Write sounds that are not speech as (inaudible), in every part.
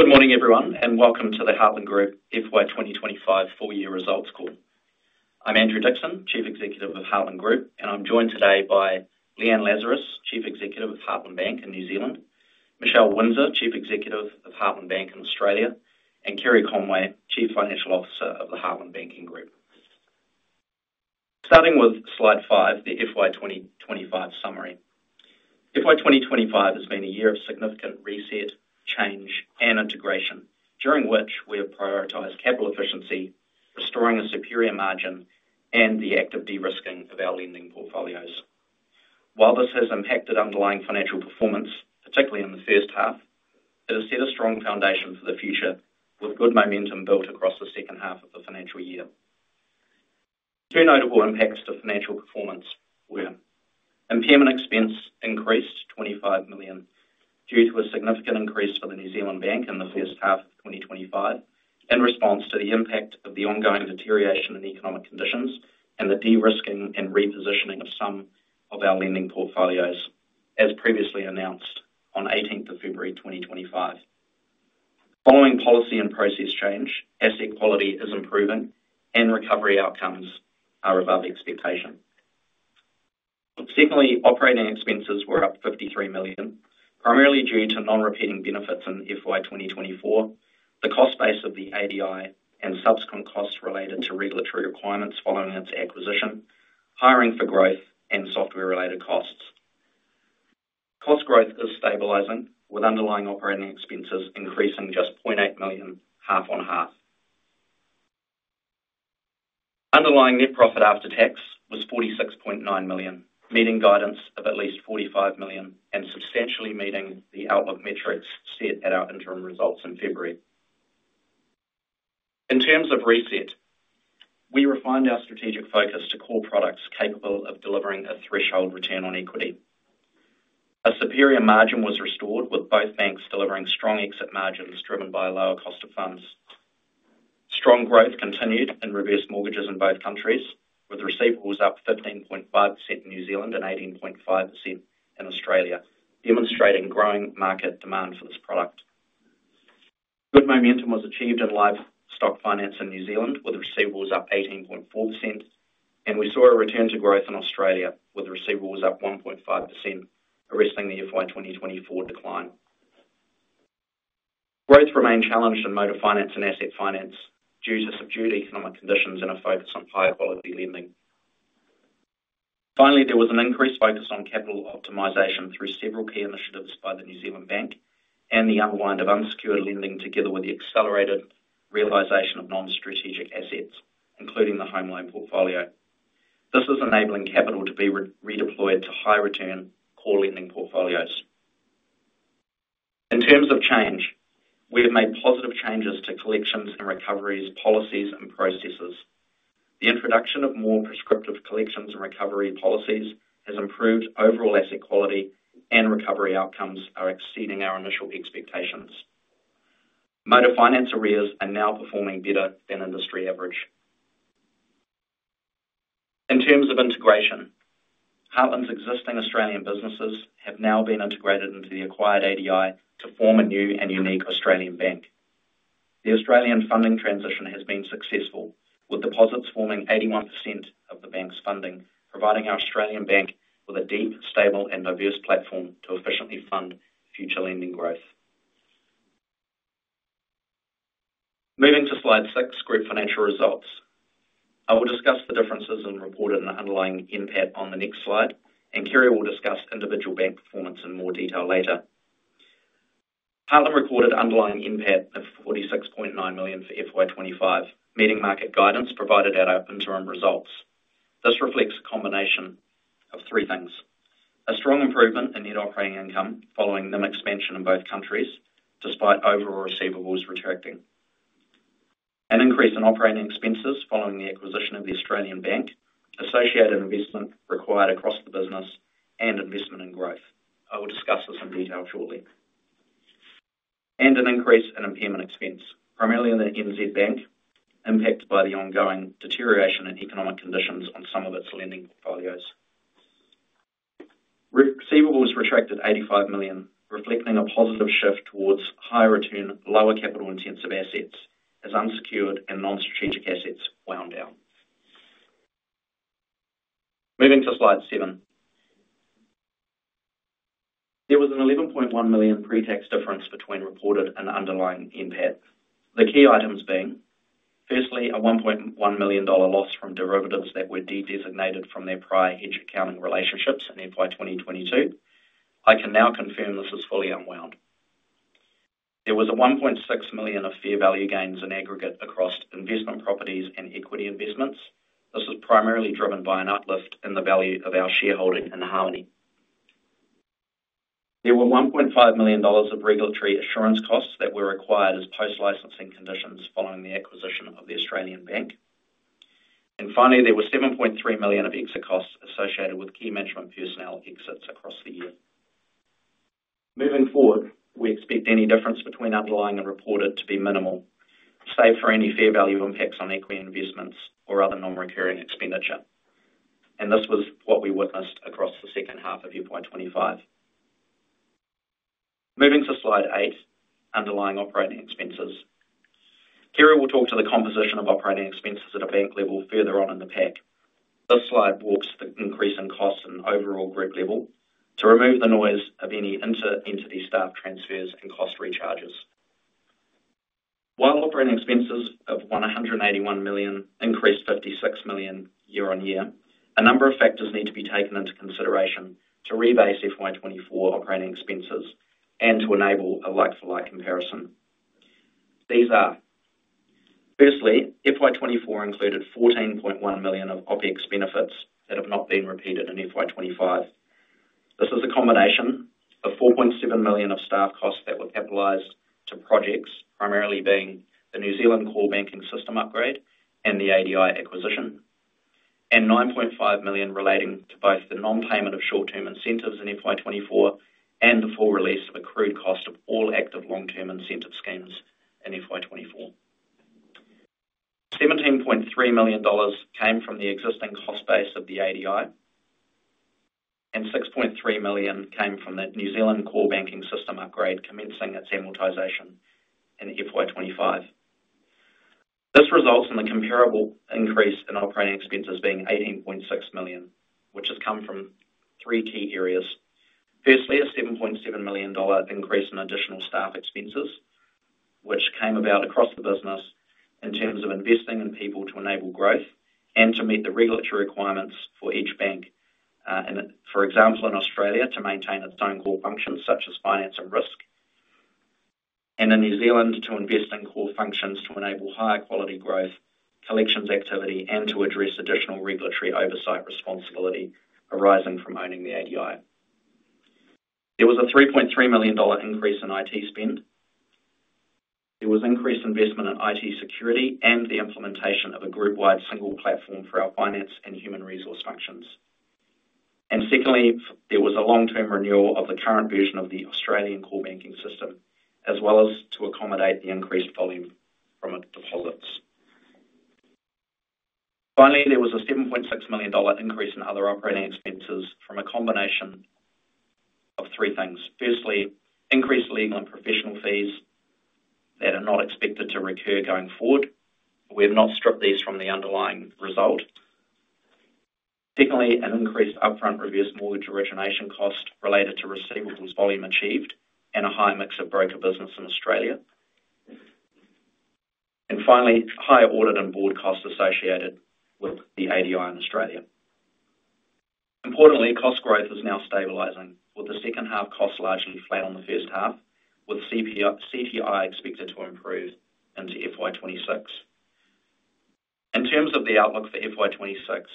Good morning, everyone, and welcome to the Heartland Group FY 2025 Four-Year Results Call. I'm Andrew Dixson, Chief Executive of the Heartland Group, and I'm joined today by Leanne Lazarus, Chief Executive Officer of Heartland Bank in New Zealand, Michelle Winzer, Chief Executive Officer of Heartland Bank Australia, and Kerry Conway, Chief Financial Officer of the Heartland Banking Group. Starting with slide five, The FY 2025 Summary. FY 2025 has been a year of significant reset, change, and integration, during which we have prioritized capital efficiency, restoring a superior margin and the act of de-risking of our lending portfolios. While this has impacted underlying financial performance, particularly in the first half, it has set a strong foundation for the future, with good momentum built across the second half of the financial year. Two notable impacts to financial performance were, impairment expense increased $25 million due to a significant increase for the New Zealand Bank in the first half of 2025, in response to the impact of the ongoing deterioration in economic conditions and the de-risking and repositioning of some of our lending portfolios, as previously announced on 18th of February 2025. Following policy and process change, asset quality is improving and recovery outcomes are above expectation. Secondly, operating expenses were up $53 million, primarily due to non-repeating benefits in FY 2024, the cost base of the ADI, and subsequent costs related to regulatory requirements following its acquisition, hiring for growth and software-related costs. Cost growth is stabilizing, with underlying operating expenses increasing just $0.8 million half-on-half. Underlying net profit after tax was $46.9 million, meeting guidance of at least $45 million and substantially meeting the outlook metrics set at our interim results in February. In terms of reset, we refined our strategic focus to core products capable of delivering a threshold return on equity. A superior margin was restored, with both banks delivering strong exit margins driven by lower cost of funds. Strong growth continued in reverse mortgages in both countries, with receivables up 15.5% in New Zealand and 18.5% in Australia, demonstrating growing market demand for this product. Good momentum was achieved in livestock finance in New Zealand, with receivables up 18.4% and we saw a return to growth in Australia, with receivables up 1.5%, arresting the FY 2024 decline. Growth remained challenged in motor finance and asset finance due to subdued economic conditions and a focus on higher quality lending. Finally, there was an increased focus on capital optimization through several peer initiatives by the New Zealand Bank and the unwind of unsecured lending, together with the accelerated realization of non-strategic assets, including the home loan portfolio. This is enabling capital to be redeployed to high-return core lending portfolios. In terms of change, we have made positive changes to collections and recoveries policies and processes. The introduction of more prescriptive collections and recovery policies has improved overall asset quality, and recovery outcomes are exceeding our initial expectations. Motor finance arrears are now performing better than industry average. In terms of integration, Heartland's existing Australian businesses have now been integrated into the acquired ADI to form a new and unique Australian bank. The Australian funding transition has been successful, with deposits forming 81% of the bank's funding, providing our Australian bank with a deep, stable, and diverse platform to efficiently fund future lending growth. Moving to slide six, Group Financial Results. I will discuss the differences in the report and the underlying impact on the next slide, and Kerry will discuss individual bank performance in more detail later. Heartland recorded underlying impact of $46.9 million for FY 2025, meeting market guidance provided at our interim results. This reflects a combination of three things, a strong improvement in net operating income following lending expansion in both countries, despite overall receivables retracting, an increase in operating expenses following the acquisition of the Australian bank, associated investment required across the business, and investment in growth. I will discuss this in detail shortly. (crosstalk) and an increase in impairment expense, primarily in the New Zealand Bank, impacted by the ongoing deterioration in economic conditions on some of its lending portfolios. Receivables retracted $85 million, reflecting a positive shift towards higher return, lower capital-intensive assets as unsecured and non-strategic assets wound down. Moving to slide seven, there was an $11.1 million pre-tax difference between reported and underlying impact. The key items being, firstly, a $1.1 million loss from derivatives that were de-designated from their prior hedge accounting relationships in FY 2022. I can now confirm this is fully unwound. There was $1.6 million of fair value gains in aggregate across investment properties and equity investments. This was primarily driven by an uplift in the value of our shareholding. (crosstalk) There were $1.5 million of regulatory assurance costs that were required as post-licensing conditions, following the acquisition of the Australian Bank. Finally, there were $7.3 million of exit costs associated with key management personnel exits across the year. Moving forward, we expect any difference between underlying and reported to be minimal, save for any fair value impacts on equity investments or other non-recurring expenditure. This was what we witnessed across the second half of FY 2025. Moving to slide eight, Underlying Operating Expenses. Kerry will talk to the composition of operating expenses at a bank level further on in the pack. This slide walks through the increase in costs and overall group level, to remove the noise of any inter-entity staff transfers and cost recharges. While operating expenses of $181 million increased $56 million year-on-year, a number of factors need to be taken into consideration to rebase FY 2024 operating expenses and to enable a like-for-like comparison. These are, firstly, FY 2024 included $14.1 million of OpEx benefits that have not been repeated in FY 2025. This is a combination of $4.7 million of staff costs that were capitalized to projects, primarily being the New Zealand core banking system upgrade and the ADI acquisition, and $9.5 million relating to both the non-payment of short-term incentives in FY 2024 and the full release of accrued cost of all active long-term incentive schemes in FY 2024. $17.3 million came from the existing cost base of the ADI, and $6.3 million came from the New Zealand core banking system upgrade commencing its amortization in FY 2025. This results in the comparable increase in operating expenses being $18.6 million, which has come from three key areas. Firstly, a $7.7 million increase in additional staff expenses, which came about across the business in terms of investing in people to enable growth, and to meet the regulatory requirements for each bank. For example, in Australia, to maintain its own core functions such as finance and risk, and in New Zealand, to invest in core functions to enable higher quality growth, collections activity, and to address additional regulatory oversight responsibility arising from owning the ADI. There was a $3.3 million increase in IT spend. There was increased investment at IT security and the implementation of a group-wide single platform for our finance and human resource functions. Secondly, there was a long-term renewal of the current version of the Australian core banking system, as well as to accommodate the increased volume from deposits. Finally, there was a $7.6 million increase in other operating expenses from a combination of three things. Firstly, increased lending on professional fees that are not expected to recur going forward. We have not struck these from the underlying result. Secondly, an increased upfront reverse mortgage origination cost related to receivables volume achieved, and a high mix of broker business in Australia. Finally, higher audit and board costs associated with the ADI in Australia. Importantly, cost growth is now stabilizing, with the second half costs largely flat on the first half, with CPI expected to improve into FY 2026. In terms of the outlook for FY 2026,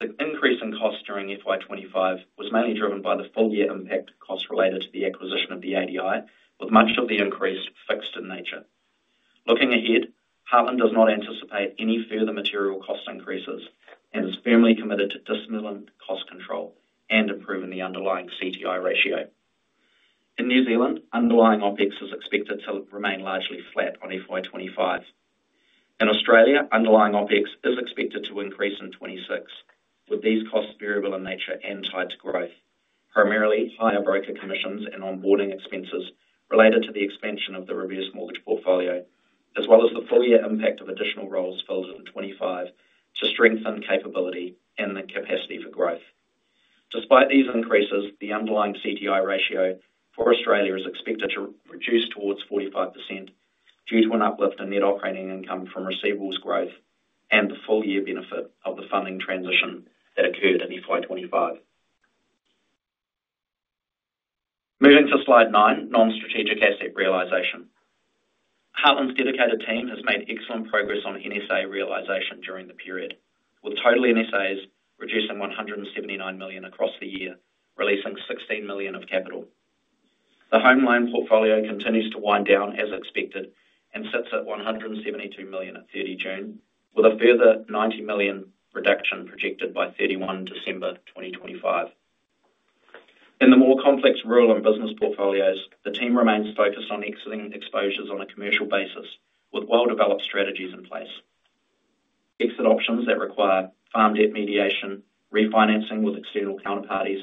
the increase in costs during FY 2025 was mainly driven by the full-year impact costs related to the acquisition of the ADI, with much of the increase fixed in nature. Looking ahead, Heartland Group does not anticipate any further material cost increases, and is firmly committed to disciplined cost control and improving the underlying CTI ratio. In New Zealand, underlying OPEX is expected to remain largely flat on FY 2025. In Australia, underlying OpEx is expected to increase in 2026, with these costs variable in nature and tied to growth, primarily higher broker commissions and onboarding expenses related to the expansion of the reverse mortgage portfolio, as well as the full-year impact of additional roles filled in 2025 to strengthen capability and the capacity for growth. Despite these increases, the underlying CTI ratio for Australia is expected to reduce towards 45%. due to an uplift in net operating income from receivables growth and the full-year benefit of the funding transition that occurred in FY 2025. Moving to slide nine, Non-strategic Asset Realisation. Heartland Group's dedicated team has made excellent progress on NSA realisation during the period, with total NSAs reducing $179 million across the year, releasing $16 million of capital. The home loan portfolio continues to wind down as expected and sits at $172 million at 30th June, with a further $90 million reduction projected by 31 December, 2025. In the more complex rural and business portfolios, the team remains focused on exiting exposures on a commercial basis, with well-developed strategies in place. Exit options that require debt mediation, refinancing with external counterparties,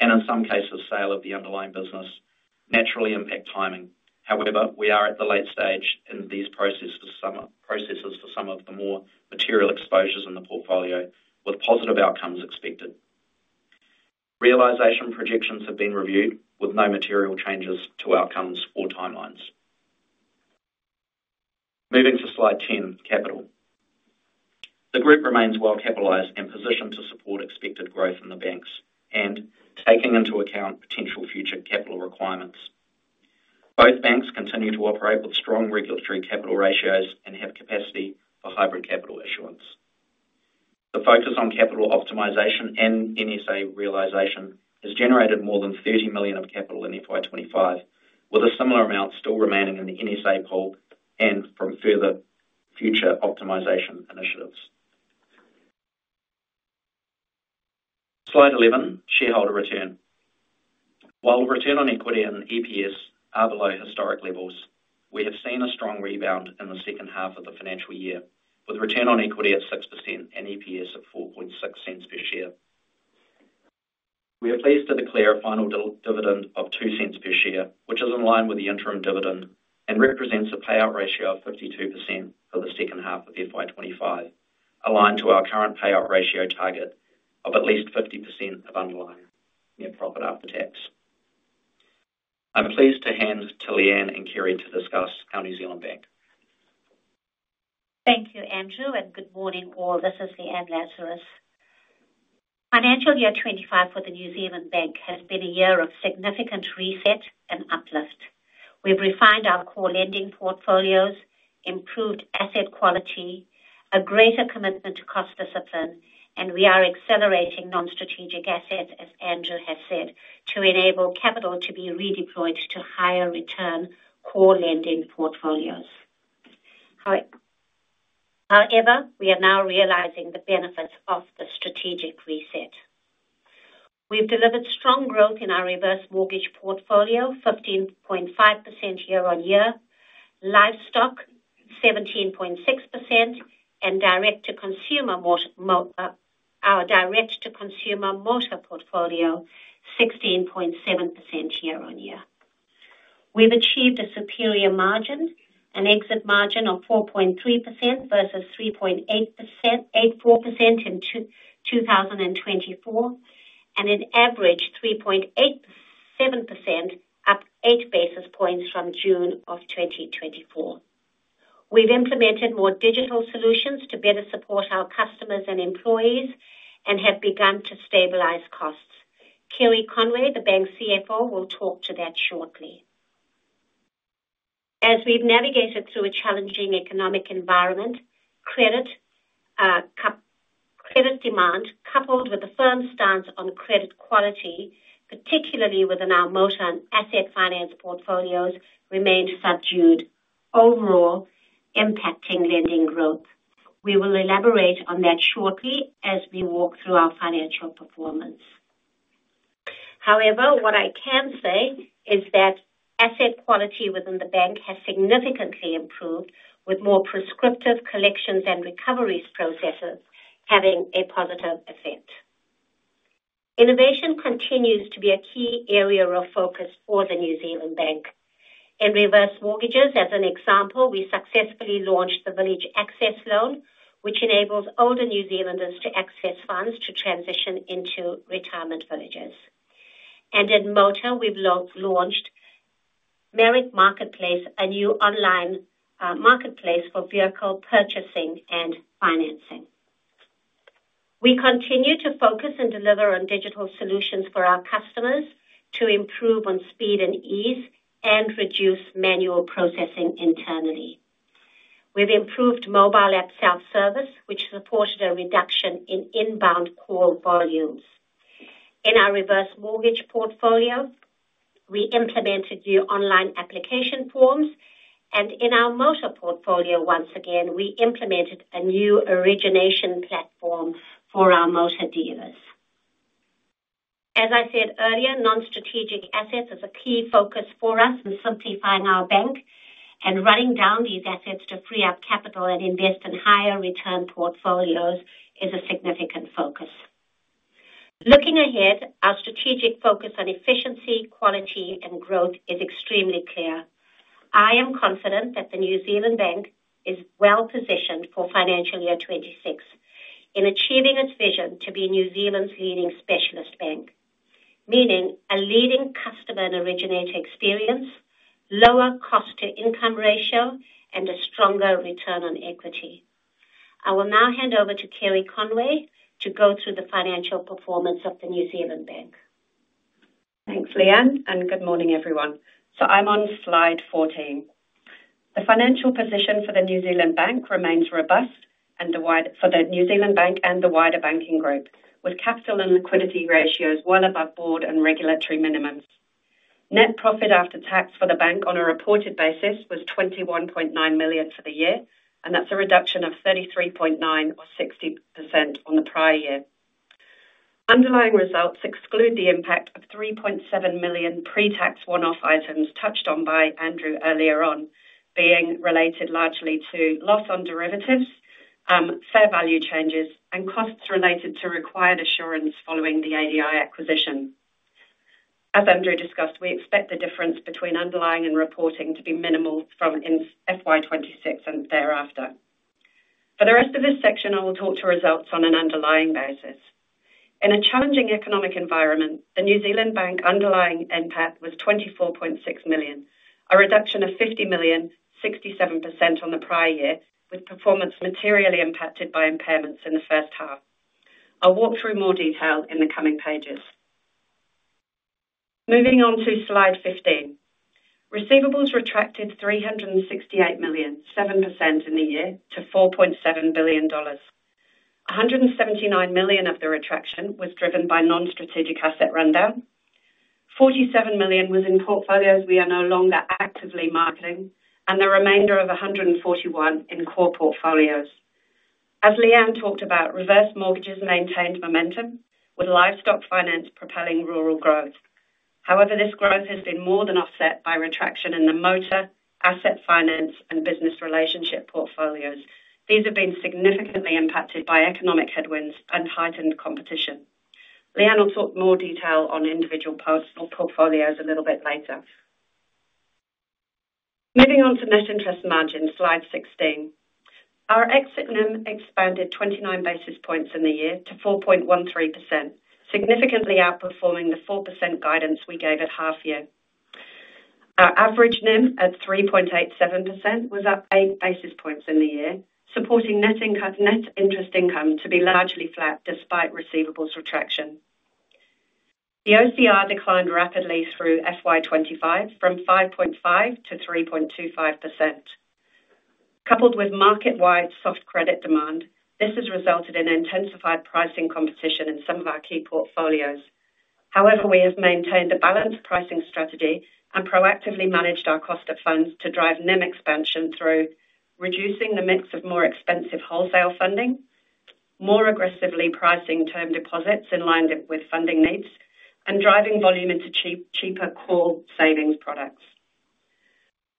and in some cases, sale of the underlying business naturally impact timing. However, we are at the late stage in these processes for some of the more material exposures in the portfolio, with positive outcomes expected. Realization projections have been reviewed with no material changes to outcomes or timelines. Moving to slide 10, Capital. The group remains well-stabilized and positioned to support expected growth in the banks, and taking into account potential future capital requirements. Both banks continue to operate with strong regulatory capital ratios and have capacity for hybrid capital issuance. The focus on capital optimization and NSA realization has generated more than $30 million of capital in FY 2025, with a similar amount still remaining in the NSA pool and from further future optimization initiatives. Slide 11, Shareholder Return. While the return on equity and EPS are below historic levels, we have seen a strong rebound in the second half of the financial year, with the return on equity at 6% and EPS of $4.60 per share. We are pleased to declare a final dividend of $0.02 per share, which is in line with the interim dividend and represents a payout ratio of 52% for the second half of FY 2025, aligned to our current payout ratio target of at least 50% of underlying net profit after tax. I'm pleased to hand to Leanne and Kerry to discuss our New Zealand Bank. Thank you, Andrew, and good morning all. This is Leanne Lazarus. Financial year 2025 for the New Zealand Bank has been a year of significant reset and uplift. We've refined our core lending portfolios, improved asset quality, a greater commitment to cost discipline and we are accelerating non-strategic assets, as Andrew has said, to enable capital to be redeployed to higher return core lending portfolios. However, we are now realizing the benefits of the strategic reset. We've delivered strong growth in our reverse mortgage portfolio, 15.5% year-on-year, livestock 17.6%, and direct-to-consumer motor portfolio, 16.7% year-on-year. We've achieved a superior margin, an exit margin of 4.3% versus 3.84% in 2024, and an average of 3.87%, up eight basis points from June of 2024. We've implemented more digital solutions to better support our customers and employees, and have begun to stabilize costs. Kerry Conway, the Bank's CFO, will talk to that shortly. As we've navigated through a challenging economic environment, credit demand, coupled with a firm stance on credit quality, particularly within our motor and asset finance portfolios, remained subdued, overall impacting lending growth. We will elaborate on that shortly, as we walk through our financial performance. However, what I can say is that asset quality within the bank has significantly improved, with more prescriptive collections and recoveries processes having a positive effect. Innovation continues to be a key area of focus for the New Zealand Bank. In reverse mortgages, as an example, we successfully launched the Village Access Loan, which enables older New Zealanders to access funds to transition into retirement villages. In motor, we've launched Merit Marketplace, a new online marketplace for vehicle purchasing and financing. We continue to focus and deliver on digital solutions for our customers, to improve on speed and ease and reduce manual processing internally. We've improved mobile app self-service, which supported a reduction in inbound call volumes. In our reverse mortgage portfolio, we implemented new online application forms, and in our motor portfolio once again, we implemented a new origination platform for our motor dealers. As I said earlier, non-strategic assets are a key focus for us in simplifying our bank and running down these assets to free up capital and invest in higher return portfolios is a significant focus. Looking ahead, our strategic focus on efficiency, quality, and growth is extremely clear. I am confident that the New Zealand Bank is well-positioned for financial year 2026, in achieving its vision to be New Zealand's leading specialist bank, meaning a leading customer and originator experience, lower cost-to-income ratio and a stronger return on equity. I will now hand over to Kerry Conway to go through the financial performance of the New Zealand Bank. Thanks, Leanne, and good morning, everyone. I'm on slide 14. The financial position for the New Zealand Bank remains robust for the New Zealand Bank and the wider banking group, with capital and liquidity ratios, one, above board and regulatory minimums. Net profit after tax for the bank on a reported basis was $21.9 million for the year, and that's a reduction of $33.9 million or 60% on the prior year. Underlying results exclude the impact of $3.7 million pre-tax one-off items, touched on by Andrew earlier on, being related largely to loss on derivatives, fair value changes, and costs related to required assurance following the ADI acquisition. As Andrew discussed, we expect the difference between underlying and reporting to be minimal from FY 2026 and thereafter. For the rest of this section, I will talk to results on an underlying basis. In a challenging economic environment, the New Zealand Bank underlying impact was $24.6 million, a reduction of $50 million, 67% on the prior year, with performance materially impacted by impairments in the first half. I'll walk through more detail in the coming pages. Moving on to slide 15. Receivables retracted $368 million, 7% in the year to $4.7 billion. $179 million of the retraction was driven by non-strategic asset rundown. $47 million was in portfolios we are no longer actively marketing, and the remainder of $141 million in core portfolios. As Leanne talked about, reverse mortgages maintained momentum, with livestock finance propelling rural growth. However, this growth has been more than offset by retraction in the motor, asset finance and business relationship portfolios. These have been significantly impacted by economic headwinds and heightened competition. Leanne will talk more detail on individual personal portfolios a little bit later. Moving on to net interest margin, slide 16. Our exit NIM expanded 29 basis points in the year to 4.13%, significantly outperforming the 4% guidance we gave at half-year. Our average NIM at 3.87% was up eight basis points in the year, supporting net interest income to be largely flat despite receivables retraction. The OCR declined rapidly through FY 2025, from 5.5% to 3.25%. Coupled with market-wide soft credit demand, this has resulted in intensified pricing competition in some of our key portfolios. However, we have maintained a balanced pricing strategy, and proactively managed our cost of funds to drive NIM expansion through reducing the mix of more expensive wholesale funding, more aggressively pricing term deposits in line with funding needs, and driving volume into cheaper core savings products.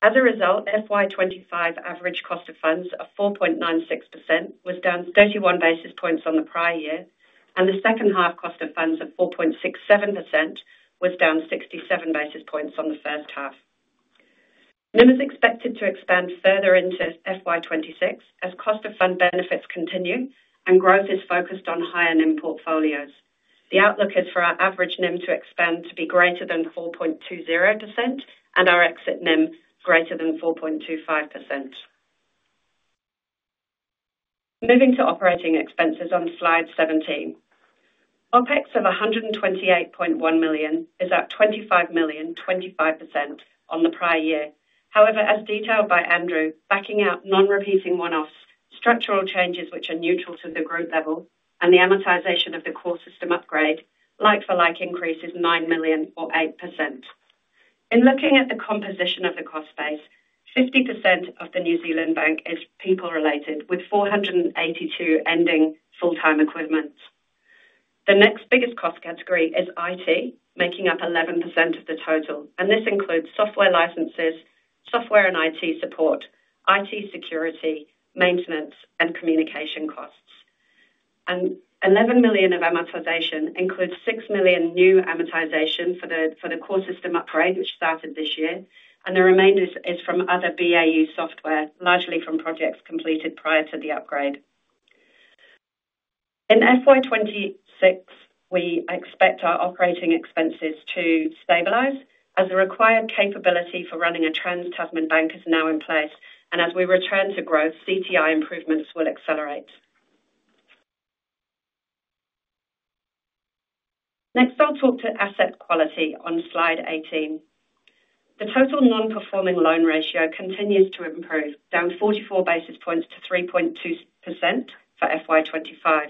As a result, FY 2025 average cost of funds of 4.96% was down 31 basis points on the prior year, and the second half cost of funds of 4.67% was down 67 basis points on the first half. NIM is expected to expand further into FY 2026 as cost of fund benefits continue, and growth is focused on higher NIM portfolios. The outlook is for our average NIM to expand to be greater than 4.20%, and our exit NIM greater than 4.25%. Moving to operating expenses on slide 17. OpEx of $128.1 million is up $25 million, 25% on the prior year. However, as detailed by Andrew, backing out non-repeating one-offs, structural changes which are neutral to the group level, and the amortization of the core system upgrade, like-for-like increases $9 million or 8%. In looking at the composition of the cost base, 50% of the New Zealand Bank is people-related, with 482 ending full-time equivalents. The next biggest cost category is IT, making up 11% of the total. This includes software licenses, software and IT support, IT security, maintenance, and communication costs. $11 million of amortization includes $6 million new amortization for the core system upgrade, which started this year, and the remainder is from other BAE software, largely from projects completed prior to the upgrade. In FY 2026, we expect our operating expenses to stabilize, as the required capability for running a trans (crosstalk) bank is now in place. As we return to growth, CTI improvements will accelerate. Next, I'll talk to asset quality on slide 18. The total non-performing loan ratio continues to improve, down 44 basis points to 3.2% for FY 2025.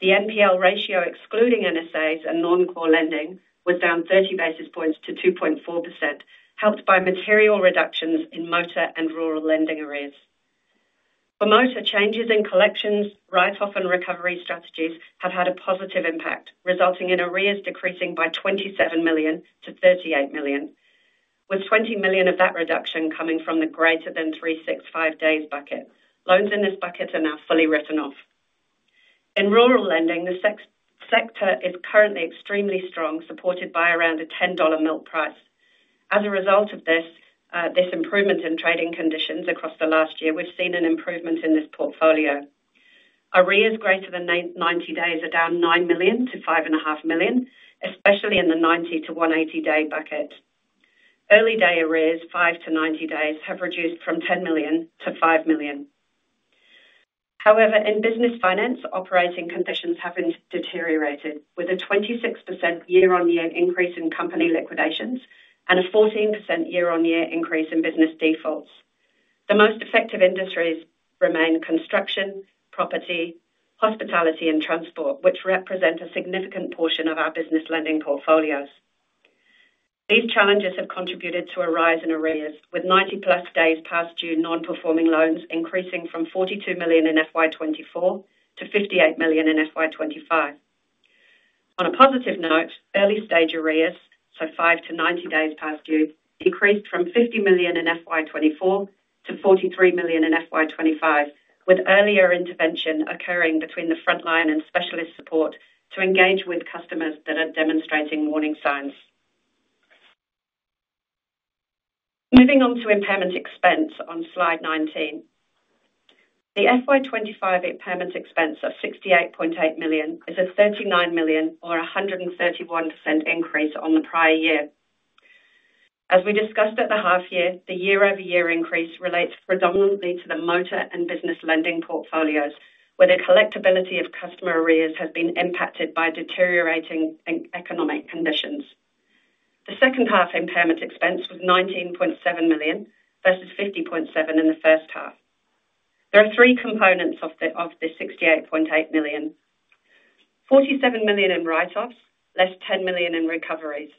The NPL ratio, excluding NSAs and non-core lending, was down 30 basis points to 2.4%, helped by material reductions in motor and rural lending arrears. For motor, changes in collections, write-off and recovery strategies have had a positive impact, resulting in arrears decreasing by $27 million to $38 million, with $20 million of that reduction coming from the greater than 365 days bucket. Loans in this bucket are now fully written off. In rural lending, the sector is currently extremely strong, supported by around a $10 milk price. As a result of this improvement in trading conditions across the last year, we've seen an improvement in this portfolio. Arrears greater than 90 days are down $9 million to $5.5 million, especially in the 90 day-180 day bucket. Early day arrears, five to 90 days, have reduced from $10 million to $5 million. However, in business finance, operating conditions have deteriorated, with a 26% year-on-year increase in company liquidations and a 14% year-on-year increase in business defaults. The most affected industries remain construction, property, hospitality, and transport, which represent a significant portion of our business lending portfolios. These challenges have contributed to a rise in arrears, with 90+ days past due non-performing loans, increasing from $42 million in FY 2024 to $58 million in FY 2025. On a positive note, early-stage arrears, so five to 90 days past due, decreased from $50 million in FY 2024 to $43 million in FY 2025, with earlier intervention occurring between the front line and specialist support to engage with customers that are demonstrating warning signs. Moving on to impairment expense on slide 19. The FY 2025 impairment expense of $68.8 million is at $39 million or 131% increase on the prior year. As we discussed at the half-year, the year-over-year increase relates predominantly to the motor and business lending portfolios, where the collectability of customer arrears have been impacted by deteriorating economic conditions. The second half impairment expense was $19.7 million versus $50.7 million in the first half. There are three components of the $68.8 million, $47 million in write-offs, less $10 million in recoveries,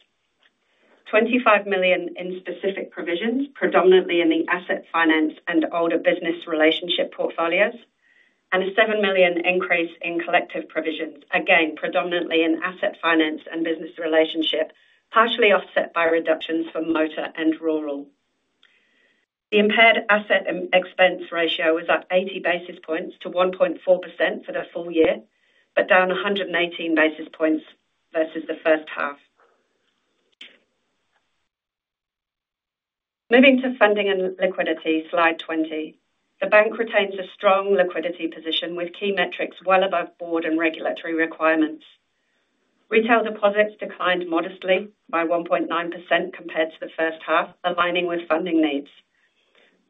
$25 million in specific provisions, predominantly in the asset finance and older business relationship portfolios, and a $7 million increase in collective provisions, again predominantly in asset finance and business relationships, partially offset by reductions for motor and rural. The impaired asset expense ratio was up 80 basis points to 1.4% for the full year, but down 119 basis points versus the first half. Moving to funding and liquidity, slide 20. The bank retains a strong liquidity position, with key metrics well above board and regulatory requirements. Retail deposits declined modestly by 1.9% compared to the first half, aligning with funding needs.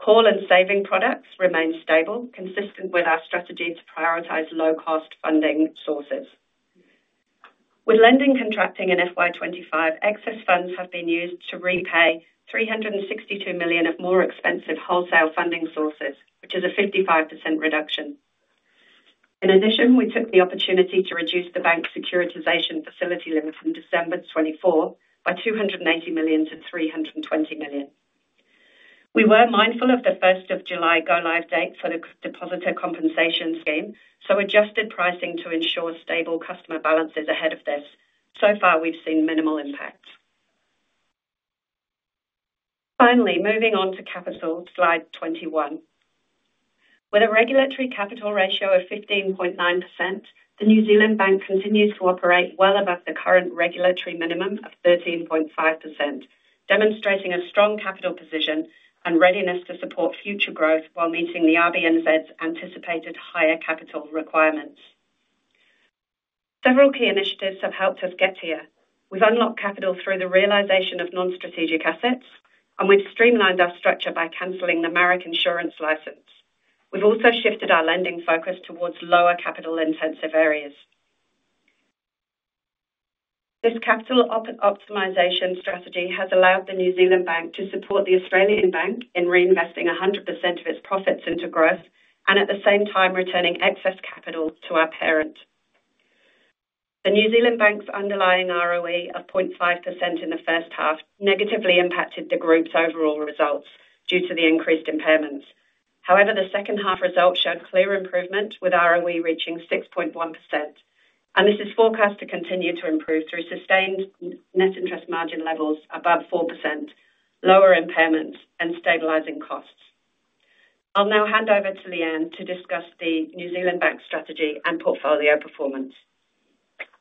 Call and saving products remain stable, consistent with our strategy to prioritize low-cost funding sources. With lending contracting in FY 2025, excess funds have been used to repay $362 million of more expensive wholesale funding sources, which is a 55% reduction. In addition, we took the opportunity to reduce the bank's securitization facility limit from December 2024 by $280 million to $320 million. We were mindful of the 1st of July go-live date for the depositor compensation scheme, so adjusted pricing to ensure stable customer balances ahead of this. So far, we've seen minimal impact. Finally, moving on to capital, slide 21. With a regulatory capital ratio of 15.9%, the New Zealand Bank continues to operate well above the current regulatory minimum of 13.5%, demonstrating a strong capital position and readiness to support future growth while meeting the RBNZ's anticipated higher capital requirements. Several key initiatives have helped us get here. We've unlocked capital through the realization of non-strategic assets, and we've streamlined our structure by canceling the Merrick insurance license. We've also shifted our lending focus towards lower capital-intensive areas. This capital optimization strategy has allowed the New Zealand Bank to support the Australian Bank in reinvesting 100% of its profits into growth, and at the same time, returning excess capital to our parent. The New Zealand Bank's underlying ROE of 0.5% in the first half negatively impacted the group's overall results due to the increased impairments. However, the second half results showed clear improvement, with ROE reaching 6.1%, and this is forecast to continue to improve through sustained net interest margin levels above 4%, lower impairments, and stabilizing costs. I'll now hand over to Leanne, to discuss the New Zealand Bank strategy and portfolio performance.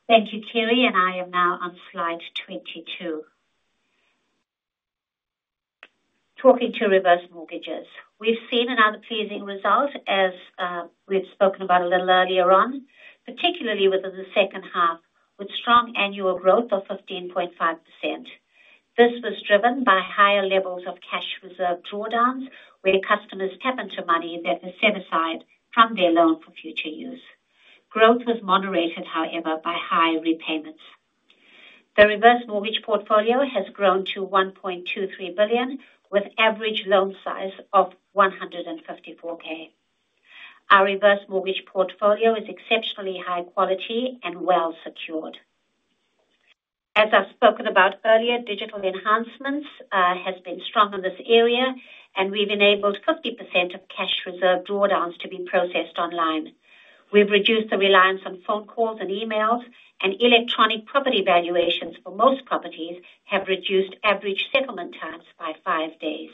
Thank you, Kerry, and I am now on slide 22. Talking to reverse mortgages, we've seen another pleasing results as we've spoken about a little earlier on, particularly within the second half, with strong annual growth of 15.5%. This was driven by higher levels of cash reserve drawdowns, where customers tap into money that is set aside from their loan for future use. Growth was moderated however, by high repayments. The reverse mortgage portfolio has grown to $1.23 billion, with an average loan size of $154,000. Our reverse mortgage portfolio is exceptionally high quality and well secured. As I've spoken about earlier, digital enhancements have been strong in this area and we've enabled 50% of cash reserve drawdowns to be processed online. We've reduced the reliance on phone calls and emails, and electronic property valuations for most properties have reduced average settlement times by five days.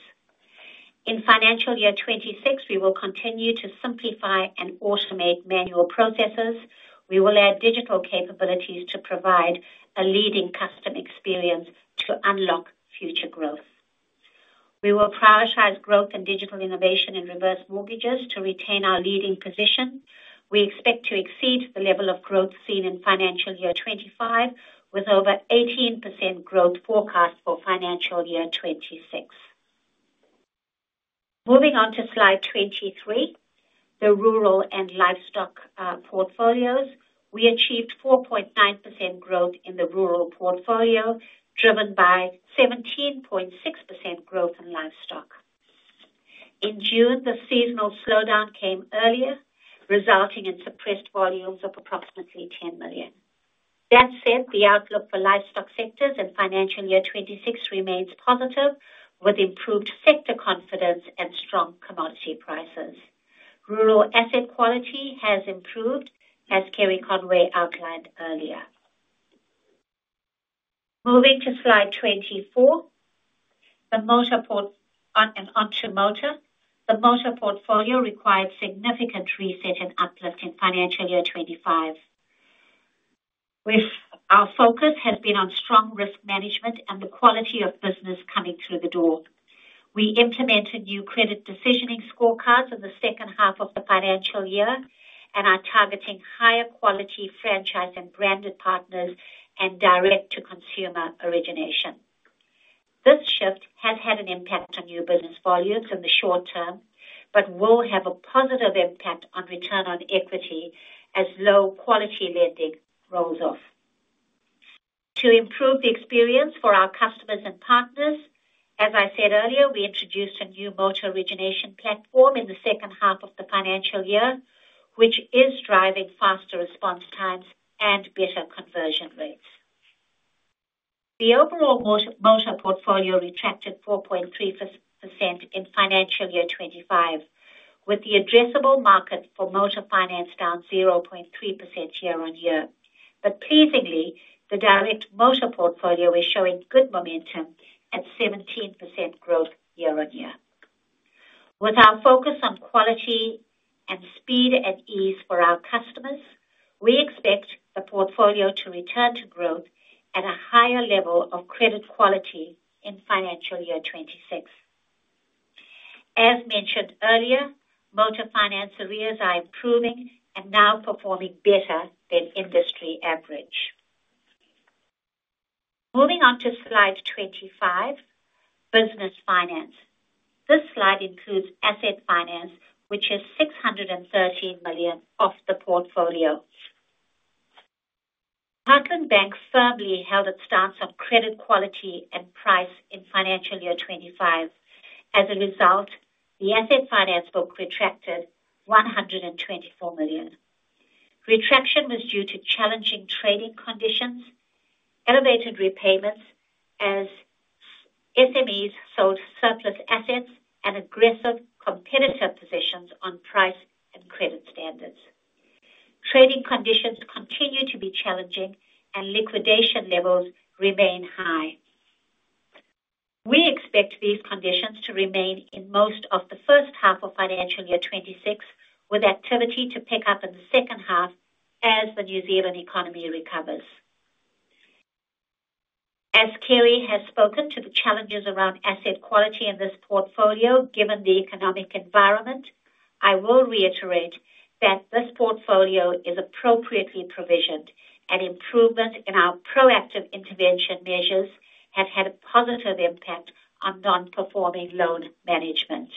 In financial year 2026, we will continue to simplify and automate manual processes. We will add digital capabilities to provide a leading customer experience to unlock future growth. We will prioritize growth, and digital innovation in reverse mortgages to retain our leading position. We expect to exceed the level of growth seen in financial year 2025, with over 18% growth forecast for financial year 2026. Moving on to slide 23, The Rural and Livestock Portfolios, we achieved 4.9% growth in the rural portfolio, driven by 17.6% growth in livestock. In June, the seasonal slowdown came earlier, resulting in suppressed volumes of approximately $10 million. That said, the outlook for livestock sectors in financial year 2026 remains positive, with improved sector confidence and strong commodity prices. Rural asset quality has improved, as Kerry Conway outlined earlier. Moving to slide 24, The motor and Auto Motor. The motor portfolio required significant reset and uplift in financial year 2025. Our focus has been on strong risk management and the quality of business coming through the door. We implemented new credit decisioning scorecards in the second half of the financial year, and are targeting higher quality franchise and branded partners and direct-to-consumer origination. This shift has had an impact on new business volumes in the short term, but will have a positive impact on return on equity as low-quality lending rolls off. To improve the experience for our customers and partners, as I said earlier, we introduced a new motor origination platform in the second half of the financial year, which is driving faster response times and better conversion rates. The overall motor portfolio retracted 4.3% in financial year 2025, with the addressable market for motor finance down 0.3% year-on-year. Pleasingly, the direct motor portfolio is showing good momentum at 17% growth year-on-year. With our focus on quality and speed and ease for our customers, we expect the portfolio to return to growth at a higher level of credit quality in financial year 2026. As mentioned earlier, motor finance arrears are improving and now performing better than industry average. Moving on to slide 25, Business Finance. This slide includes asset finance, which is $613 million of the portfolio. Heartland Bank firmly held its stance on credit quality and price in financial year 2025. As a result, the asset finance book retracted $124 million. Retraction was due to challenging trading conditions, elevated repayments, as SMEs sold surplus assets and aggressive competitor positions on price and credit standards. Trading conditions continue to be challenging, and liquidation levels remain high. We expect these conditions to remain in most of the first half of financial year 2026, with activity to pick up in the second half as the New Zealand economy recovers. As Kerry has spoken to the challenges around asset quality in this portfolio, given the economic environment, I will reiterate that this portfolio is appropriately provisioned and improvements in our proactive intervention measures have had a positive impact on non-performing loan management.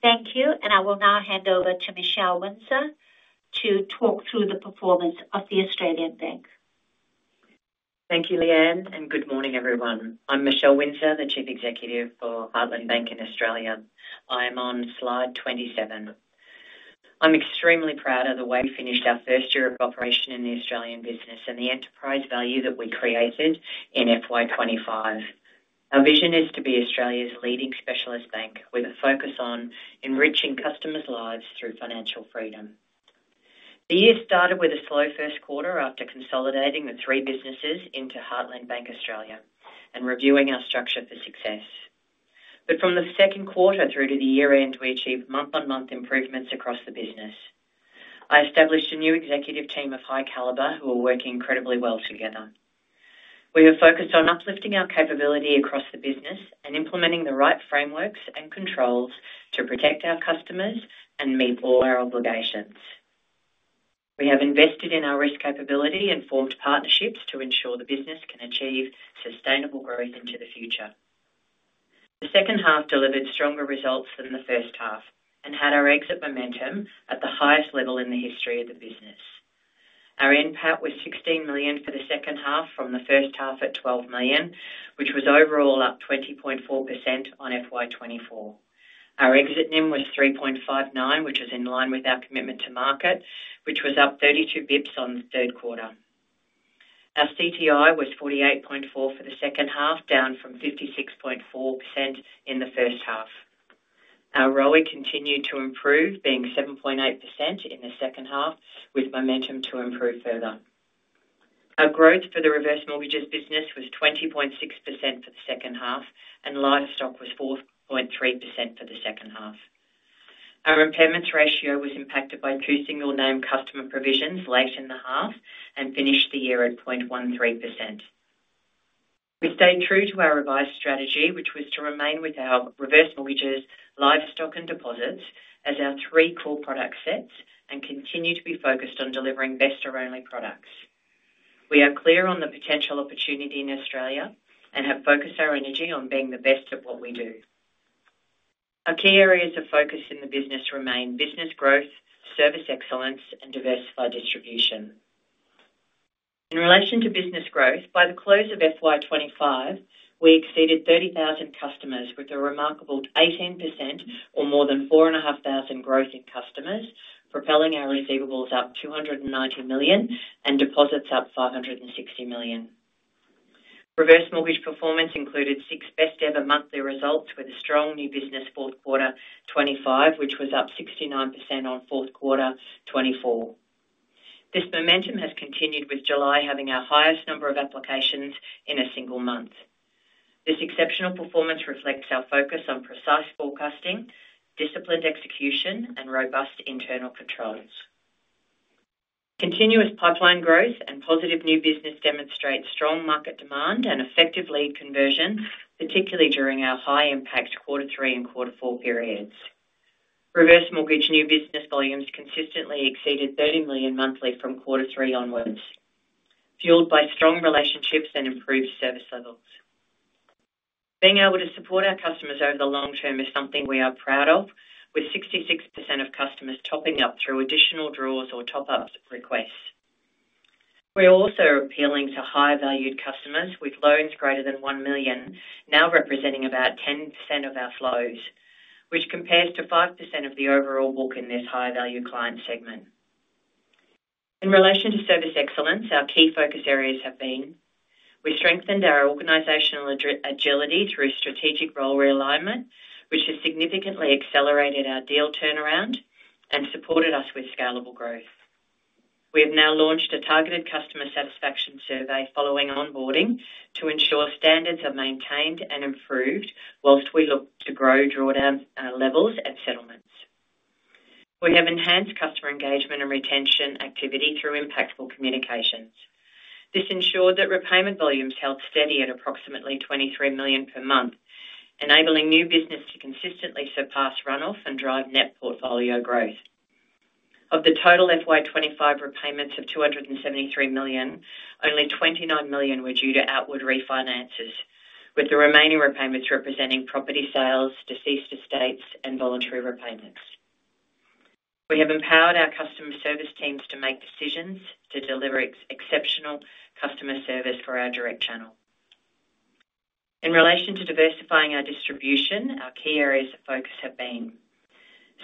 Thank you, and I will now hand over to Michelle Winzer to talk through the performance of the Australian Bank. Thank you, Leanne, and good morning, everyone. I'm Michelle Winzer, the Chief Executive for Heartland Bank Australia. I am on slide 27. I'm extremely proud of the way we finished our first year of operation in the Australian business and the enterprise value that we created in FY 2025. Our vision is to be Australia's leading specialist bank, with a focus on enriching customers' lives through financial freedom. The year started with a slow first quarter after consolidating the three businesses into Heartland Bank Australia and reviewing our structure for success. From the second quarter through to the year-end, we achieved month-on-month improvements across the business. I established a new executive team of high caliber, who are working incredibly well together. We have focused on uplifting our capability across the business, and implementing the right frameworks and controls to protect our customers and meet all our obligations. We have invested in our risk capability and formed partnerships, to ensure the business can achieve sustainable growth into the future. The second half delivered stronger results than the first half, and had our exit momentum at the highest level in the history of the business. Our impact was $16 million for the second half, from the first half at $12 million, which was overall up 20.4% on FY 2024. Our exit NIM was 3.59%, which was in line with our commitment to market, which was up 32 bps on the third quarter. Our CTI was 48.4% for the second half, down from 56.4% in the first half. Our ROE continued to improve, being 7.8% in the second half, with momentum to improve further. Our growth for the reverse mortgages business was 20.6% for the second half, and livestock was 4.3% for the second half. Our impairments ratio was impacted by two single-name customer provisions late in the half, and finished the year at 0.13%. We stayed true to our revised strategy, which was to remain with our reverse mortgages, livestock, and deposits as our three core product sets and continue to be focused on delivering best or only products. We are clear on the potential opportunity in Australia, and have focused our energy on being the best at what we do. Our key areas of focus in the business remain business growth, service excellence, and diversified distribution. In relation to business growth, by the close of FY 2025, we exceeded 30,000 customers, with a remarkable 18% or more than 4,500 growth in customers, propelling our receivables up $290 million and deposits up $560 million. Reverse mortgage performance included six best-ever monthly results, with a strong new business fourth quarter 2025, which was up 69% on fourth quarter 2024. This momentum has continued with July having our highest number of applications in a single month. This exceptional performance reflects our focus on precise forecasting, disciplined execution, and robust internal controls. Continuous pipeline growth and positive new business demonstrate strong market demand and effective lead conversion, particularly during our high-impact quarter three and quarter four periods. Reverse mortgage new business volumes consistently exceeded $30 million monthly from quarter three onwards, fueled by strong relationships and improved service levels. Being able to support our customers over the long term is something we are proud of, with 66% of customers topping up through additional draws or top-up requests. We are also appealing to high-valued customers with loans greater than $1 million, now representing about 10% of our flows, which compares to 5% of the overall book in this high-valued client segment. In relation to service excellence, our key focus areas have been, we strengthened our organizational agility through strategic role realignment, which has significantly accelerated our deal turnaround and supported us with scalable growth. We've now launched a targeted customer satisfaction survey following onboarding, to ensure standards are maintained and improved whilst we look to grow drawdown levels at settlements. We have enhanced customer engagement and retention activity through impactful communications. This ensured that repayment volumes held steady at approximately $23 million per month, enabling new business to consistently surpass runoff and drive net portfolio growth. Of the total FY 2025 repayments of $273 million, only $29 million were due to outward refinances, with the remaining repayments representing property sales, deceased estates, and voluntary repayments. We have empowered our customer service teams to make decisions to deliver exceptional customer service for our direct channel. In relation to diversifying our distribution, our key areas of focus have been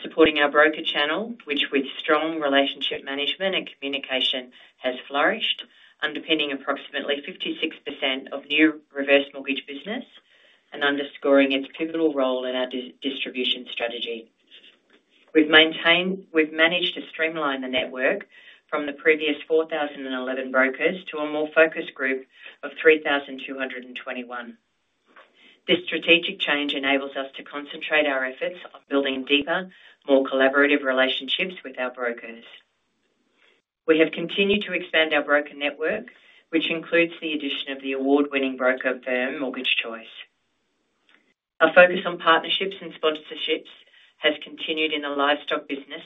supporting our broker channel, which with strong relationship management and communication has flourished, underpinning approximately 56% of new reverse mortgage business and underscoring its pivotal role in our distribution strategy. We've managed to streamline the network from the previous 4,011 brokers to a more focused group of 3,221. This strategic change enables us to concentrate our efforts on building deeper, more collaborative relationships with our brokers. We have continued to expand our broker network, which includes the addition of the award-winning broker firm Mortgage Choice. Our focus on partnerships and sponsorships has continued in the livestock finance business,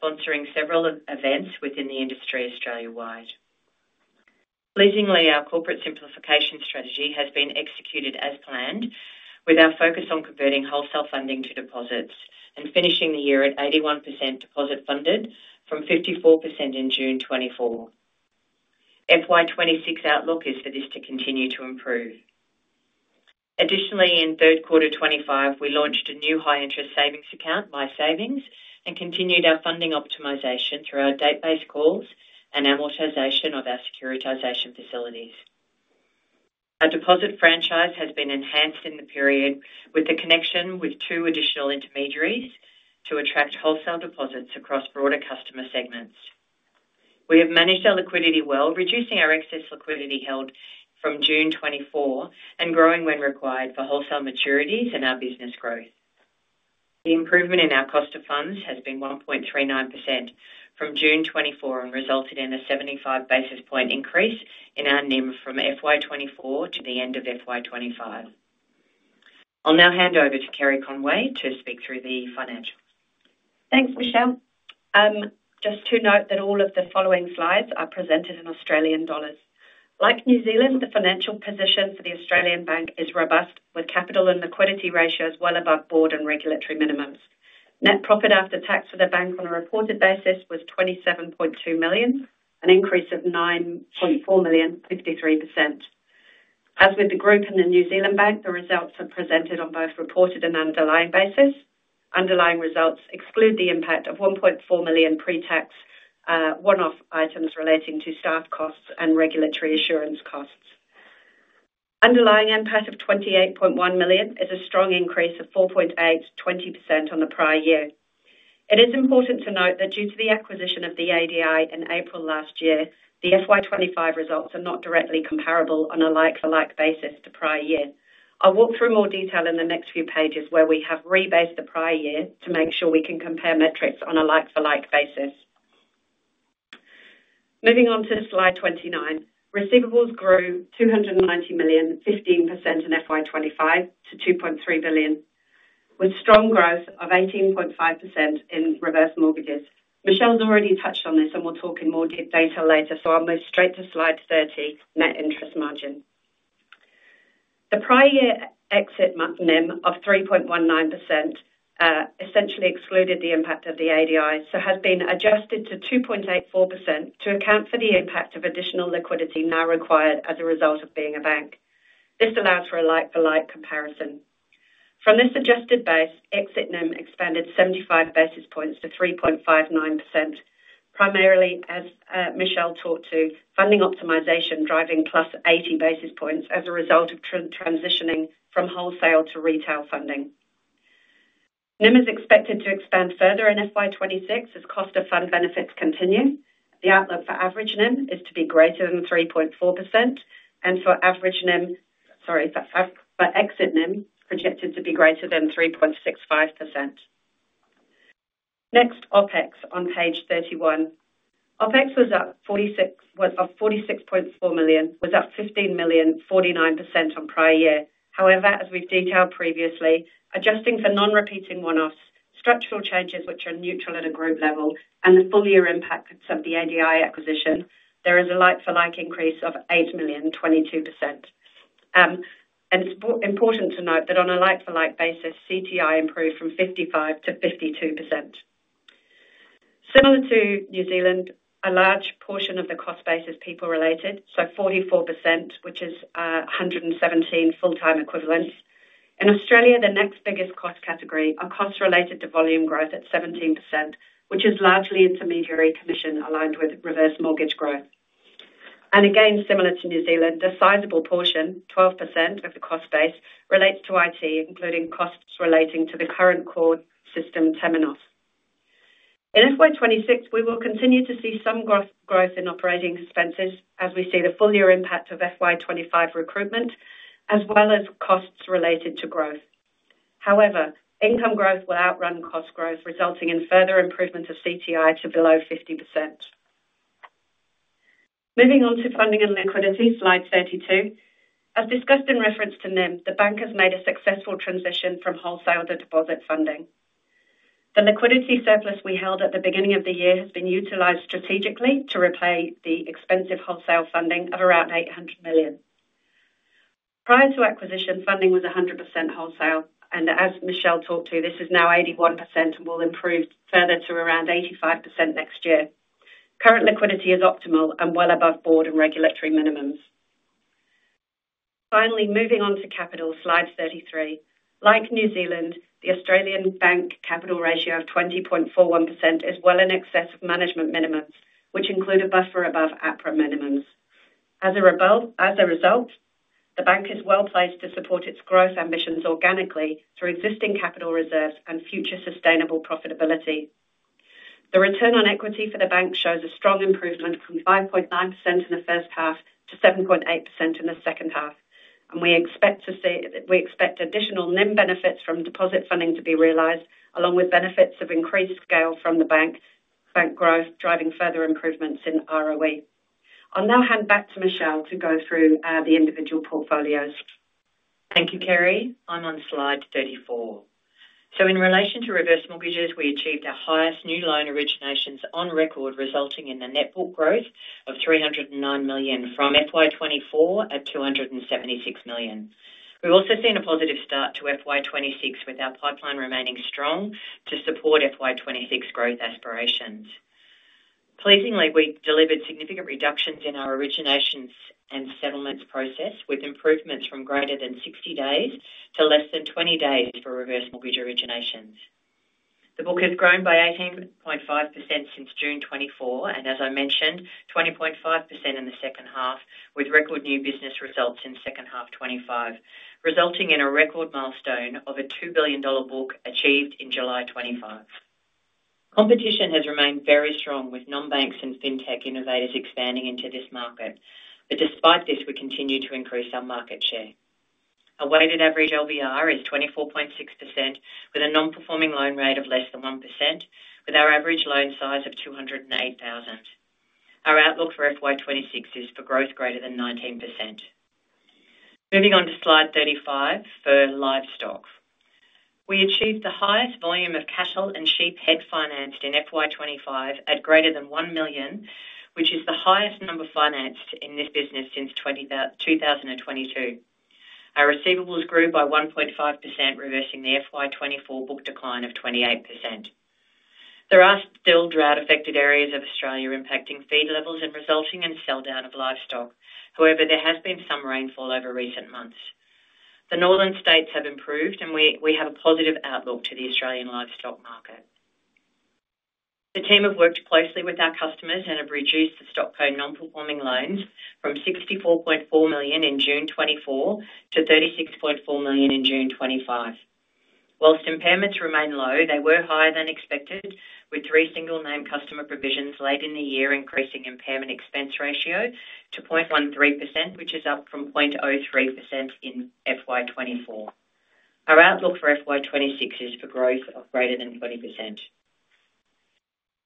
sponsoring several events within the industry Australia-wide. Pleasingly, our corporate simplification strategy has been executed as planned, with our focus on converting wholesale funding to deposits and finishing the year at 81% deposit funded from 54% in June 2024. FY 2026 outlook is for this to continue to improve. Additionally, in third quarter 2025, we launched a new high-interest savings account, Life Savings, and continued our funding optimization through our database calls and amortization of our securitization facilities. Our deposit franchise has been enhanced in the period, with the connection with two additional intermediaries to attract wholesale deposits across broader customer segments. We have managed our liquidity well, reducing our excess liquidity held from June 2024 and growing when required for wholesale maturities and our business growth. The improvement in our cost of funds has been 1.39% from June 2024, and resulted in a 75 basis point increase in our net interest margin from FY 2024 to the end of FY 2025. I'll now hand over to Kerry Conway to speak through the financials. Thanks, Michelle. Just to note that all of the following slides are presented in Australian dollars. Like New Zealand, the financial position for the Australian Bank is robust, with capital and liquidity ratios well above board and regulatory minimums. Net profit after tax for the bank on a reported basis was A$27.2 million, an increase of A$9.4 million, 53%. As with the group and the New Zealand Bank, the results are presented on both reported and underlying basis. Underlying results exclude the impact of A$1.4 million pre-tax one-off items relating to staff costs and regulatory assurance costs. Underlying impact of $28.1 million is a strong increase of $4.8 million, 20% on the prior year. It is important to note that due to the acquisition of the ADI in April last year, the FY 2025 results are not directly comparable on a like-for-like basis to prior year. I'll walk through more detail in the next few pages, where we have rebased the prior year to make sure we can compare metrics on a like-for-like basis. Moving on to slide 29, receivables grew A$290 million, 15% in FY 2025 to A$2.3 billion, with strong growth of 18.5% in reverse mortgages. Michelle's already touched on this, and we'll talk in more detail later, so I'll move straight to slide 30, Net Interest Margin. The prior year exit NIM of 3.19% essentially excluded the impact of the ADI, so has been adjusted to 2.84% to account for the impact of additional liquidity now required as a result of being a bank. This allows for a like-for-like comparison. From this adjusted base, exit NIM expanded 75 basis points to 3.59%, primarily as Michelle talked to funding optimization, driving +80 basis points as a result of transitioning from wholesale to retail funding. NIM is expected to expand further in FY 2026 as cost of fund benefits continue. The outlook for average NIM is to be greater than 3.4%, and for exit NIM projected to be greater than 3.65%. Next, OpEx, on page 31. OpEx was up A$46.4 million, was up A$15 million, 49% on prior year. However, as we've detailed previously, adjusting for non-repeating one-offs, structural changes which are neutral at a group level and the full-year impact of the ADI acquisition, there is a like-for-like increase of $8 million, 22%. It's important to note that on a like-for-like basis, CTI improved from 55% to 52%. Similar to New Zealand, a large portion of the cost base is people-related, so at 44%, which is 117 full-time equivalents. In Australia, the next biggest cost category are costs related to volume growth at 17%, which is largely intermediary commission aligned with reverse mortgage growth. Again, similar to New Zealand, a sizable portion, 12% of the cost base relates to IT, including costs relating to the current core system Temenos. In FY 2026, we will continue to see some growth in operating expenses as we see the full-year impact of FY 2025 recruitment, as well as costs related to growth. However, income growth will outrun cost growth, resulting in further improvement of CTI to below 50%. Moving on to funding and liquidity, slide 32. As discussed in reference to NIM, the bank has made a successful transition from wholesale to deposit funding. The liquidity surplus we held at the beginning of the year has been utilized strategically to repay the expensive wholesale funding of around A$800 million. Prior to acquisition, funding was 100% wholesale. As Michelle talked to, this is now 81% and will improve further to around 85% next year. Current liquidity is optimal and well above board and regulatory minimums. Finally, moving on to capital, slide 33. Like New Zealand, the Australian Bank capital ratio of 20.41% is well in excess of management minimums, which include a buffer above APRA minimums. As a result, the bank is well placed to support its growth ambitions organically through existing capital reserves and future sustainable profitability. The return on equity for the bank shows a strong improvement from 5.9% in the first half to 7.8% in the second half, and we expect additional NIM benefits from deposit funding to be realized, along with benefits of increased scale from the bank growth, driving further improvements in ROE. I'll now hand back to Michelle to go through the individual portfolios. Thank you, Kerry. I'm on slide 34. In relation to reverse mortgages, we achieved our highest new line originations on record, resulting in a net book growth of $309 million from FY 2024, at $276 million. We've also seen a positive start to FY 2026, with our pipeline remaining strong to support FY 2026 growth aspirations. Pleasingly, we delivered significant reductions in our originations and settlements process, with improvements from greater than 60 days to less than 20 days for reverse mortgage originations. The book has grown by 18.5% since June 2024, and as I mentioned, 20.5% in the second half, with record new business results in second half 2025, resulting in a record milestone of a $2 billion book achieved in July 2025. Competition has remained very strong, with non-banks and fintech innovators expanding into this market. Despite this, we continue to increase our market share. A weighted average LVR is 24.6%, with a non-performing loan rate of less than 1%, with our average loan size of $208,000. Our outlook for FY 2026 is for growth greater than 19%. Moving on to slide 35 for livestock. We achieved the highest volume of cattle and sheep head financed in FY 2025 at greater than $1 million, which is the highest number financed in this business since 2022. Our receivables grew by 1.5%, reversing the FY 2024 book decline of 28%. There are still drought-affected areas of Australia impacting feed levels, and resulting in selldown of livestock. However, there has been some rainfall over recent months. The northern states have improved, and we have a positive outlook to the Australian livestock market. The team has worked closely with our customers and have reduced the [stockpile] non-performing loans from $64.4 million in June 2024 to $36.4 million in June 2025. Whilst impairments remain low, they were higher than expected, with three single-name customer provisions late in the year increasing impairment expense ratio to 0.13%, which is up from 0.03% in FY 2024. Our outlook for FY 2026 is for growth of greater than 20%.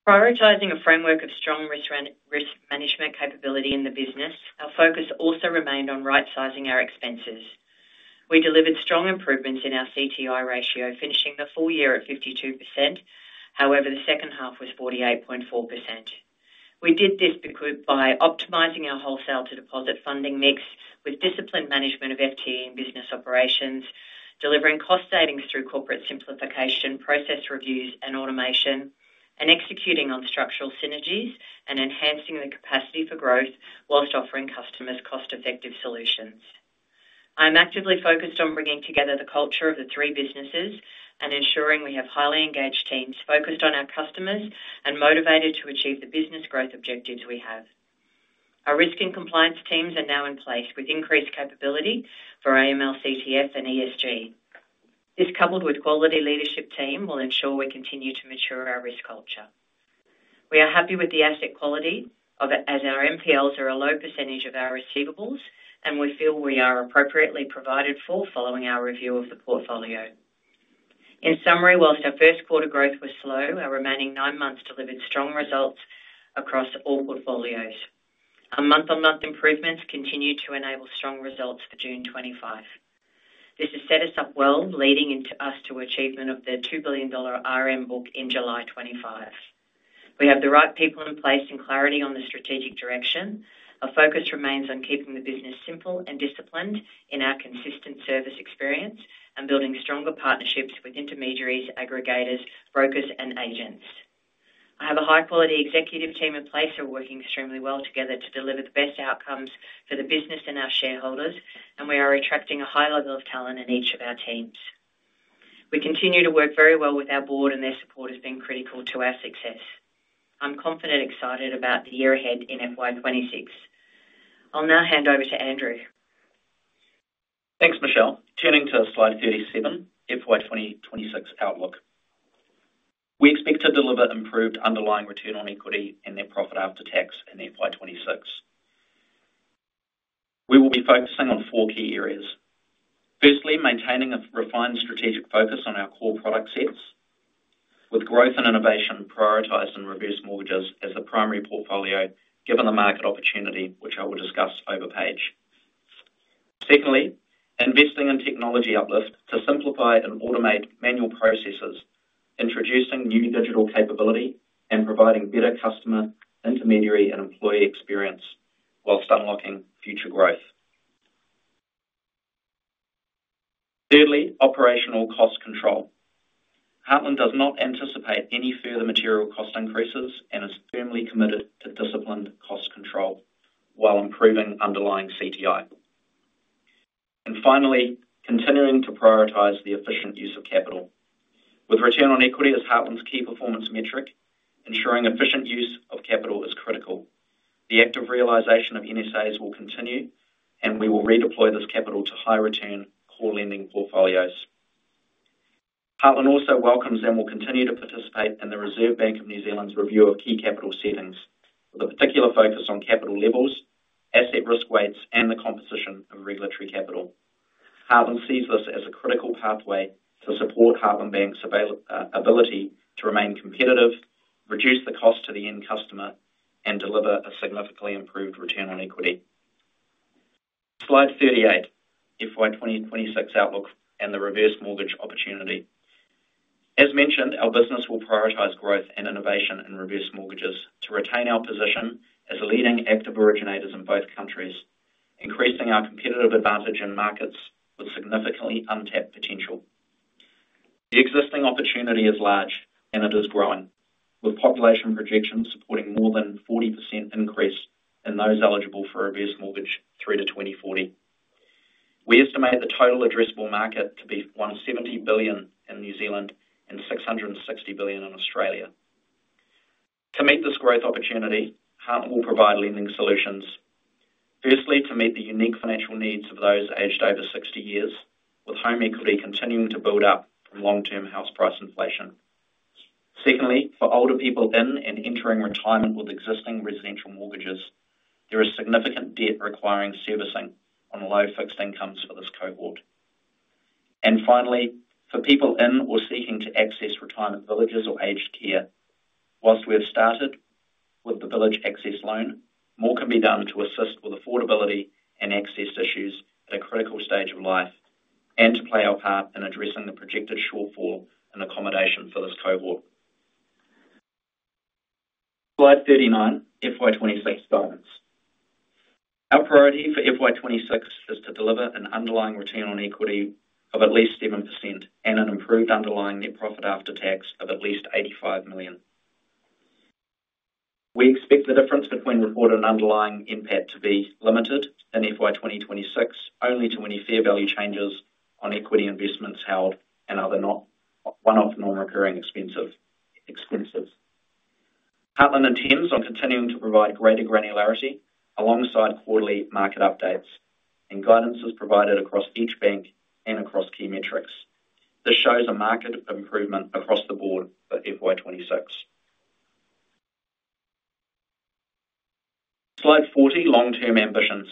Prioritizing a framework of strong risk management capability in the business, our focus also remained on right-sizing our expenses. We delivered strong improvements in our CTI ratio, finishing the full year at 52%. However, the second half was 48.4%. We did this (crosstalk) by optimizing our wholesale to deposit funding mix, with disciplined management of FTE in business operations, delivering cost savings through corporate simplification, process reviews, and automation, and executing on structural synergies and enhancing the capacity for growth, whilst offering customers cost-effective solutions. I am actively focused on bringing together the culture of the three businesses, and ensuring we have highly engaged teams focused on our customers and motivated to achieve the business growth objectives we have. Our risk and compliance teams are now in place, with increased capability for AML, CTF, and ESG. This, coupled with a quality leadership team, will ensure we continue to mature our risk culture. We are happy with the asset quality, and our NPLs are a low % of our receivables. We feel we are appropriately provided for following our review of the portfolio. In summary, whilst our first quarter growth was slow, our remaining nine months delivered strong results across all portfolios. Our month-on-month improvements continue to enable strong results for June 2025. This has set us up well, leading us to the achievement of the $2 billion RM book in July 2025. We have the right people in place and clarity on the strategic direction. Our focus remains on keeping the business simple and disciplined in our consistent service experience, and building stronger partnerships with intermediaries, aggregators, brokers, and agents. I have a high-quality executive team in place who are working extremely well together to deliver the best outcomes for the business and our shareholders, and we are attracting a high level of talent in each of our teams. We continue to work very well with our board, and their support has been critical to our success. I'm confident and excited about the year ahead in FY 2026. I'll now hand over to Andrew. Thanks, Michelle. Turning to slide 37, FY 2026 Outlook. We expect to deliver improved underlying return on equity and net profit after tax in FY 2026. We will be focusing on four key areas. Firstly, maintaining a refined strategic focus on our core product sets, with growth and innovation prioritized in reverse mortgages as the primary portfolio, given the market opportunity which I will discuss over page. Secondly, investing in technology uplift to simplify and automate manual processes, introducing new digital capability and providing better customer, intermediary, and employee experience whilst unlocking future growth. Thirdly, operational cost control. Heartland does not anticipate any further material cost increases, and is firmly committed to disciplined cost control while improving underlying CTI. Finally, continuing to prioritize the efficient use of capital. With return on equity as Heartland's key performance metric, ensuring efficient use of capital is critical, the active realization of NSAs will continue and we will redeploy this capital to high-return core lending portfolios. Heartland also welcomes and will continue to participate in the Reserve Bank of New Zealand's review of key capital settings, with a particular focus on capital levels, asset risk weights, and the composition of regulatory capital. Heartland sees this as a critical pathway to support Heartland Bank's ability to remain competitive, reduce the cost to the end customer, and deliver a significantly improved return on equity. Slide 38, FY 2026 Outlook and The Reverse Mortgage Opportunity. As mentioned, our business will prioritize growth and innovation in reverse mortgages to retain our position as leading active originators in both countries, increasing our competitive advantage in markets with significantly untapped potential. The existing opportunity is large and it is growing, with population projections supporting more than a 40% increase in those eligible for reverse mortgages through to 2040. We estimate the total addressable market to be $170 billion in New Zealand and $660 billion in Australia. To meet this growth opportunity, Heartland will provide lending solutions. Firstly, to meet the unique financial needs of those aged over 60 years, with home equity continuing to build up with long-term house price inflation. Secondly, for older people in and entering retirement with existing residential mortgages, there is significant debt requiring servicing on low fixed incomes for this cohort. Finally, for people in or seeking to access retirement villages or aged care, while we have started with the Village Access Loan, more can be done to assist with affordability and access issues at a critical stage of life, and to play our part in addressing the projected shortfall in accommodation for this cohort. Slide 39, FY 2026 Guidance. Our priority for FY 2026 is to deliver an underlying return on equity of at least 7%, and an improved underlying net profit after tax of at least $85 million. We expect the difference between reported and underlying impact to be limited in FY 2026, only to any fair value changes on equity investments held and other non-recurring expenses. Heartland intends to continue to provide greater granularity alongside quarterly market updates, and guidance is provided across each bank and across key metrics. This shows a marked improvement across the board for FY 2026. Slide 40, Long-term Ambitions.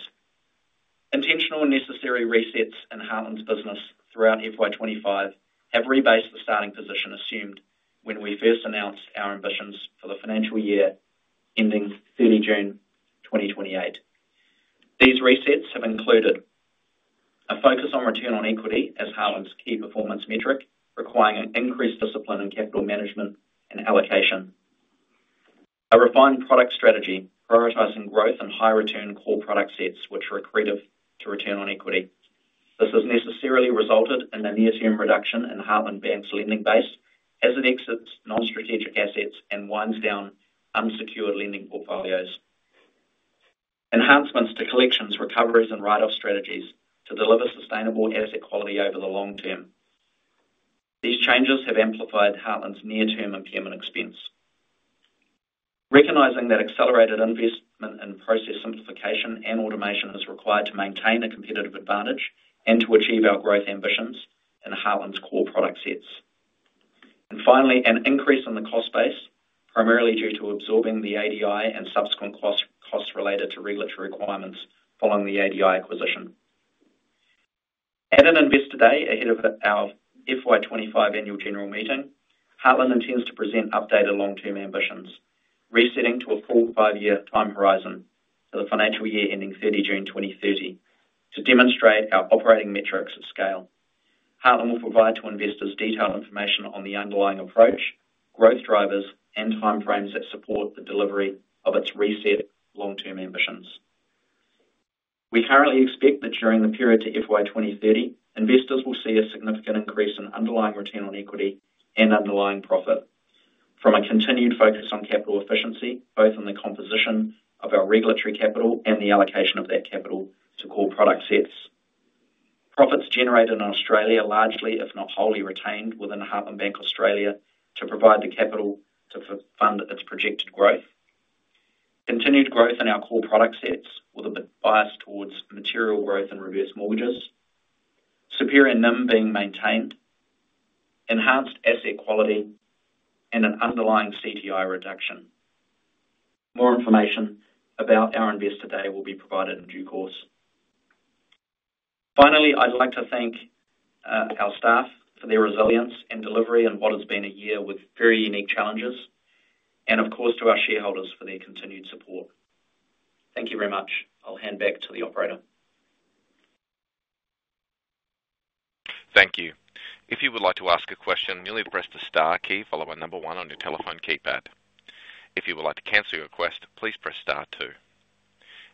Intentional and necessary resets in Heartland's business throughout FY 2025 have rebased the starting position assumed when we first announced our ambitions for the financial year ending June 30th, 2028. These resets have included a focus on return on equity as Heartland's key performance metric, requiring increased discipline in capital management and allocation. A refined product strategy, prioritizing growth and high-return core product sets, which are accretive to return on equity, this has necessarily resulted in a near-term reduction in Heartland Bank's lending base, as it exits non-strategic assets and winds down unsecured lending portfolios. Enhancements to collections, recoveries, and write-off strategies to deliver sustainable asset quality over the long term. These changes have amplified Heartland's near-term impairment expense, recognizing that accelerated investment in process simplification and automation is required to maintain a competitive advantage and to achieve our growth ambitions in Heartland's core product sets. Finally, an increase in the cost base, primarily due to absorbing the ADI and subsequent costs related to regulatory requirements following the ADI acquisition. At an Investor Day, ahead of our FY 2025 annual general meeting, Heartland intends to present updated long-term ambitions, resetting to a four to five-year time horizon for the financial year ending June 30th, 2030, to demonstrate our operating metrics of scale. Heartland will provide to investors detailed information on the underlying approach, growth drivers, and timeframes that support the delivery of its reset long-term ambitions. We currently expect that during the period to FY 2030, investors will see a significant increase in underlying return on equity and underlying profit from a continued focus on capital efficiency, both in the composition of our regulatory capital and the allocation of that capital to core product sets. Profits generated in Australia are largely, if not wholly, retained within Heartland Bank Australia, to provide the capital to fund its projected growth. Continued growth in our core product sets with a bias towards material growth in reverse mortgages, superior NIM being maintained, enhanced asset quality, and an underlying CTI reduction. More information about our Investor Day will be provided in due course. Finally, I'd like to thank our staff for their resilience and delivery in what has been a year with very unique challenges, and of course, to our shareholders for their continued support. Thank you very much. I'll hand back to the operator. Thank you. If you would like to ask a question, you'll only need to press the star key followed by number one on your telephone keypad. If you would like to cancel your question, please press star two.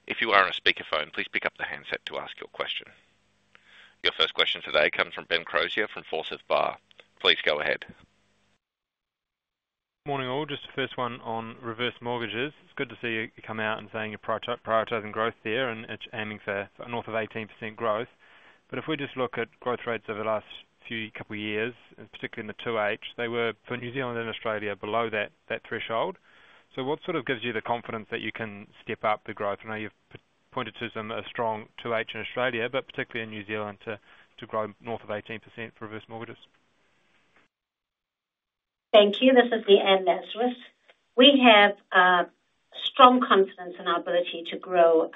If you are on a speakerphone, please pick up the handset to ask your question. Your first question today comes from Ben Crozier from Forsyth Barr. Please go ahead. Morning all. Just the first one on reverse mortgages. It's good to see you come out and saying you're prioritizing growth there, and aiming for north of 18% growth. If we just look at growth rates over the last couple years, particularly in the 2H, they were for New Zealand and Australia, below that threshold. What gives you the confidence that you can step up the growth? I know you've pointed to some strong 2H in Australia, but particularly in New Zealand, to grow north of 18% for reverse mortgages. Thank you. This is Leanne Lazarus. We have strong confidence in our ability to grow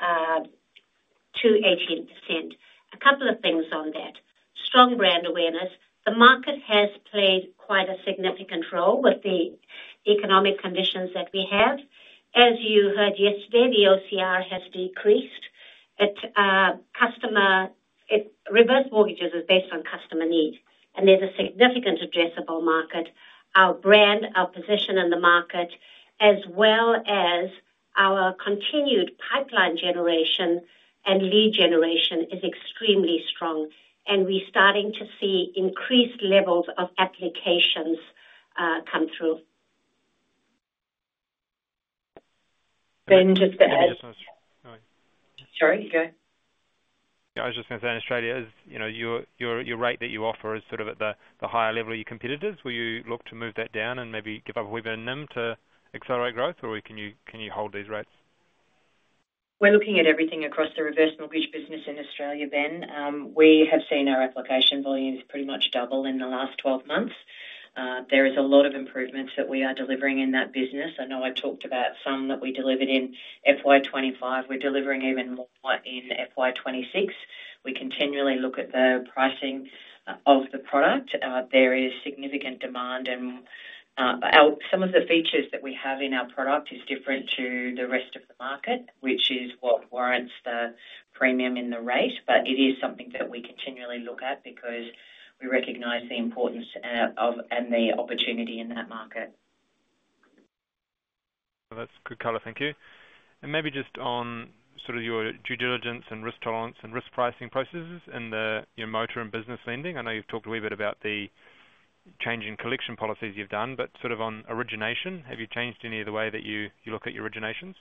to 18%. A couple of things on that. Strong brand awareness., the market has played quite a significant role with the economic conditions that we have. As you heard yesterday, the OCR has decreased. Reverse mortgages is based on customer need, and there's a significant addressable market. Our brand, our position in the market, as well as our continued pipeline generation and lead generation, is extremely strong and we're starting to see increased levels of applications come through. Ben, (crosstalk) Give me just a minute. Sorry, go ahead. Yeah, I was just going to say, in Australia, your rate that you offer is at the higher level of your competitors. Will you look to move that down and maybe give up a wee bit of NIM to accelerate growth, or can you hold these rates? We're looking at everything across the reverse mortgage business in Australia, Ben. We have seen our application volumes pretty much double in the last 12 months. There are a lot of improvements that we are delivering in that business. I know I talked about some that we delivered in FY 2025. We're delivering even more in FY 2026. We continually look at the pricing of the product. There is significant demand, and some of the features that we have in our product are different to the rest of the market, which is what warrants the premium in the rate. It is something that we continually look at because we recognize the importance of and the opportunity in that market. That's good color. Thank you. Maybe just on your due diligence and risk tolerance, and risk pricing processes in your motor and business lending. I know you've talked a bit about the change in collection policies you've done, but on origination, have you changed any of the way that you look at your originations?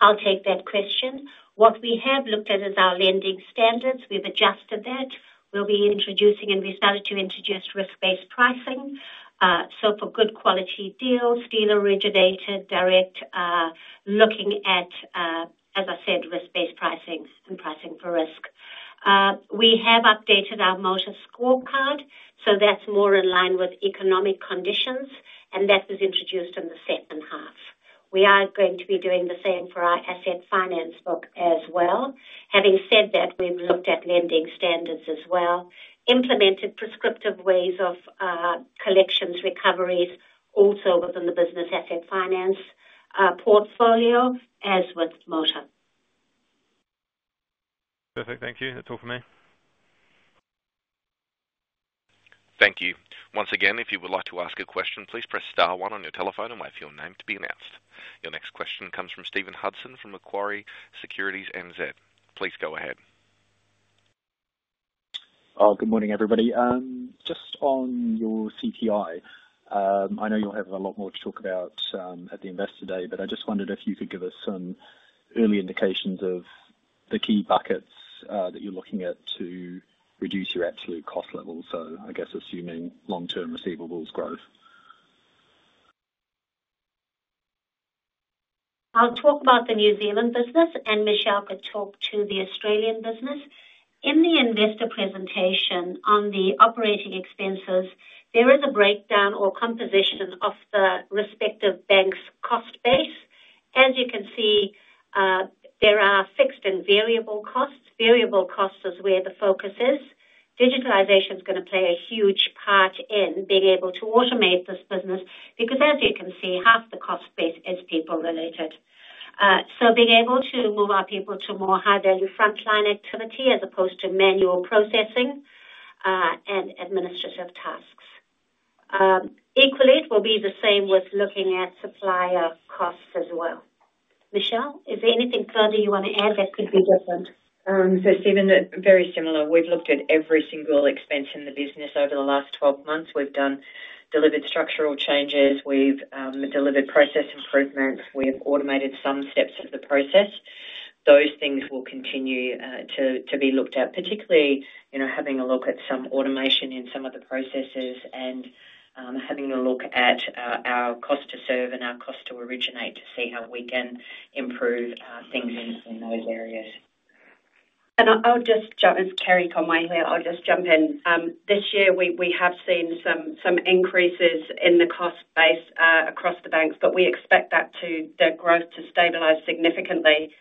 I'll take that question. What we have looked at is our lending standards. We've adjusted that. We'll be introducing and we started to introduce risk-based pricing. For good quality deals, dealer-originated, direct, looking at, as I said, risk-based pricing and pricing for risk. We have updated our motor scorecard, so that's more in line with economic conditions and that was introduced in the second half. We are going to be doing the same for our asset finance book as well. Having said that, we've looked at lending standards as well, implemented prescriptive ways of collections, recoveries, also within the business asset finance portfolio, as with motor. Perfect. Thank you. That's all from me. Thank you. Once again, if you would like to ask a question, please press star one on your telephone and wait for your name to be announced. Your next question comes from Stephen Hudson from Macquarie Securities NZ. Please go ahead. Good morning, everybody. Just on your CTI, I know you'll have a lot more to talk about at the Investor Day, but I just wondered if you could give us some early indications of the key buckets that you're looking at to reduce your absolute cost levels. I guess assuming long-term receivables growth. I'll talk about the New Zealand business, and Michelle could talk to the Australian business. In the investor presentation on the operating expenses, there is a breakdown or composition of the respective bank's cost base. As you can see, there are fixed and variable costs. Variable costs is where the focus is. Digitalization is going to play a huge part in being able to automate this business, because as you can see, half the cost base is people-related. Being able to move our people to more high-value frontline activity, as opposed to manual processing and administrative tasks. Equally, it will be the same with looking at supplier costs as well. Michelle, is there anything further you want to add that could be different? We’ve looked at every single expense in the business over the last 12 months. We’ve delivered structural changes, we've delivered process improvements, we've automated some steps of the process. Those things will continue to be looked at, particularly having a look at some automation in some of the processes and having a look at our cost to serve and our cost to originate, to see how we can improve things in those areas. This is Kerry Conway here. I'll just jump in. This year, we have seen some increases in the cost base across the banks, but we expect that growth to stabilize significantly.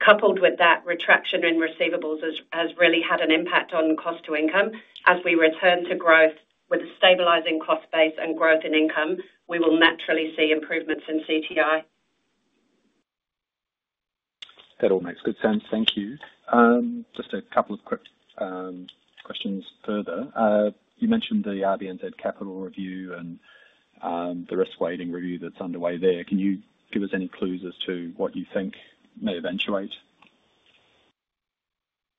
Coupled with that, retraction in receivables has really had an impact on cost-to-income. As we return to growth with a stabilizing cost base and growth in income, we will naturally see improvements in CTI. That all makes good sense. Thank you. Just a couple of quick questions further. You mentioned the RBNZ capital review and the risk weighting review that's underway there. Can you give us any clues as to what you think may eventuate?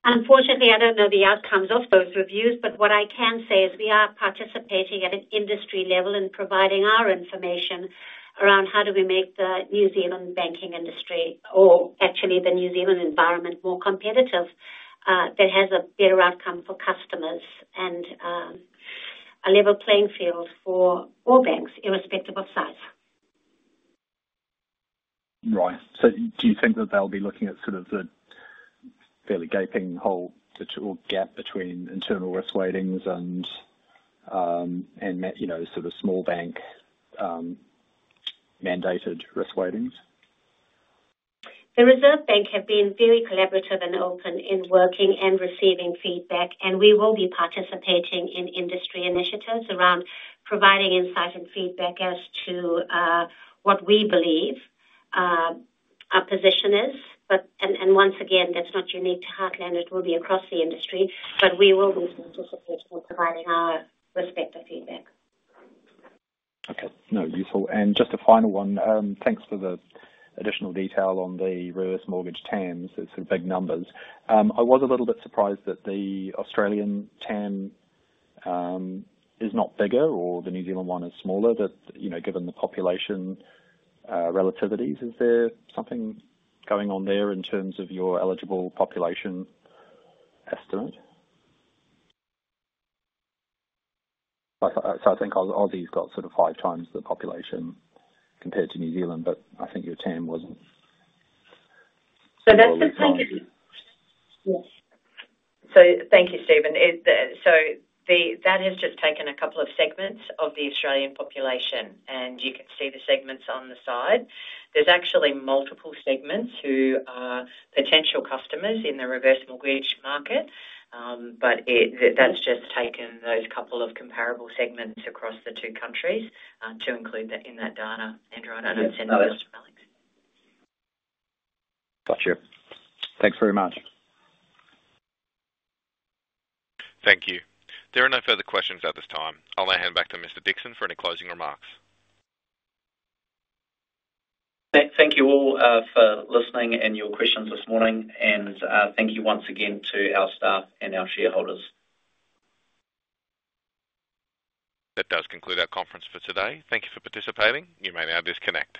Unfortunately, I don't know the outcomes of those reviews, but what I can say is we are participating at an industry level in providing our information around, how do we make the New Zealand banking industry, or actually the New Zealand environment more competitive, that has a better outcome for customers and a level playing field for all banks, irrespective of size? Right. Do you think that they'll be looking at the fairly gaping hole or gap between internal risk weightings and small bank-mandated risk weightings? The Reserve Bank has been very collaborative and open in working and receiving feedback. We will be participating in industry initiatives around providing insight and feedback as to what we believe our position is. Once again, that's not unique to Heartland. It will be across the industry, but we will be participating in providing our respective feedback. Okay. No, useful. Just a final one, thanks for the additional detail on the reverse mortgage TAMs. It's sort of big numbers. I was a little bit surprised that the Australian TAM is not bigger, or the New Zealand one is smaller, given the population relativities. Is there something going on there in terms of your eligible population estimate? I think Australia's got sort of five times the population compared to New Zealand, but I think your TAM wasn't. (crosstalk) Thank you, Stephen. That has just taken a couple of segments of the Australian population, and you could see the segments on the side. There are actually multiple segments who are potential customers in the reverse mortgage market. That's just taken those couple of comparable segments across the two countries, to include that in that data. (crosstalk) Got you. Thanks very much. Thank you. There are no further questions at this time. I'll now hand back to Mr. Dixson for any closing remarks. Thank you all for listening and your questions this morning, and thank you once again to our staff and our shareholders. That does conclude our conference for today. Thank you for participating. You may now disconnect.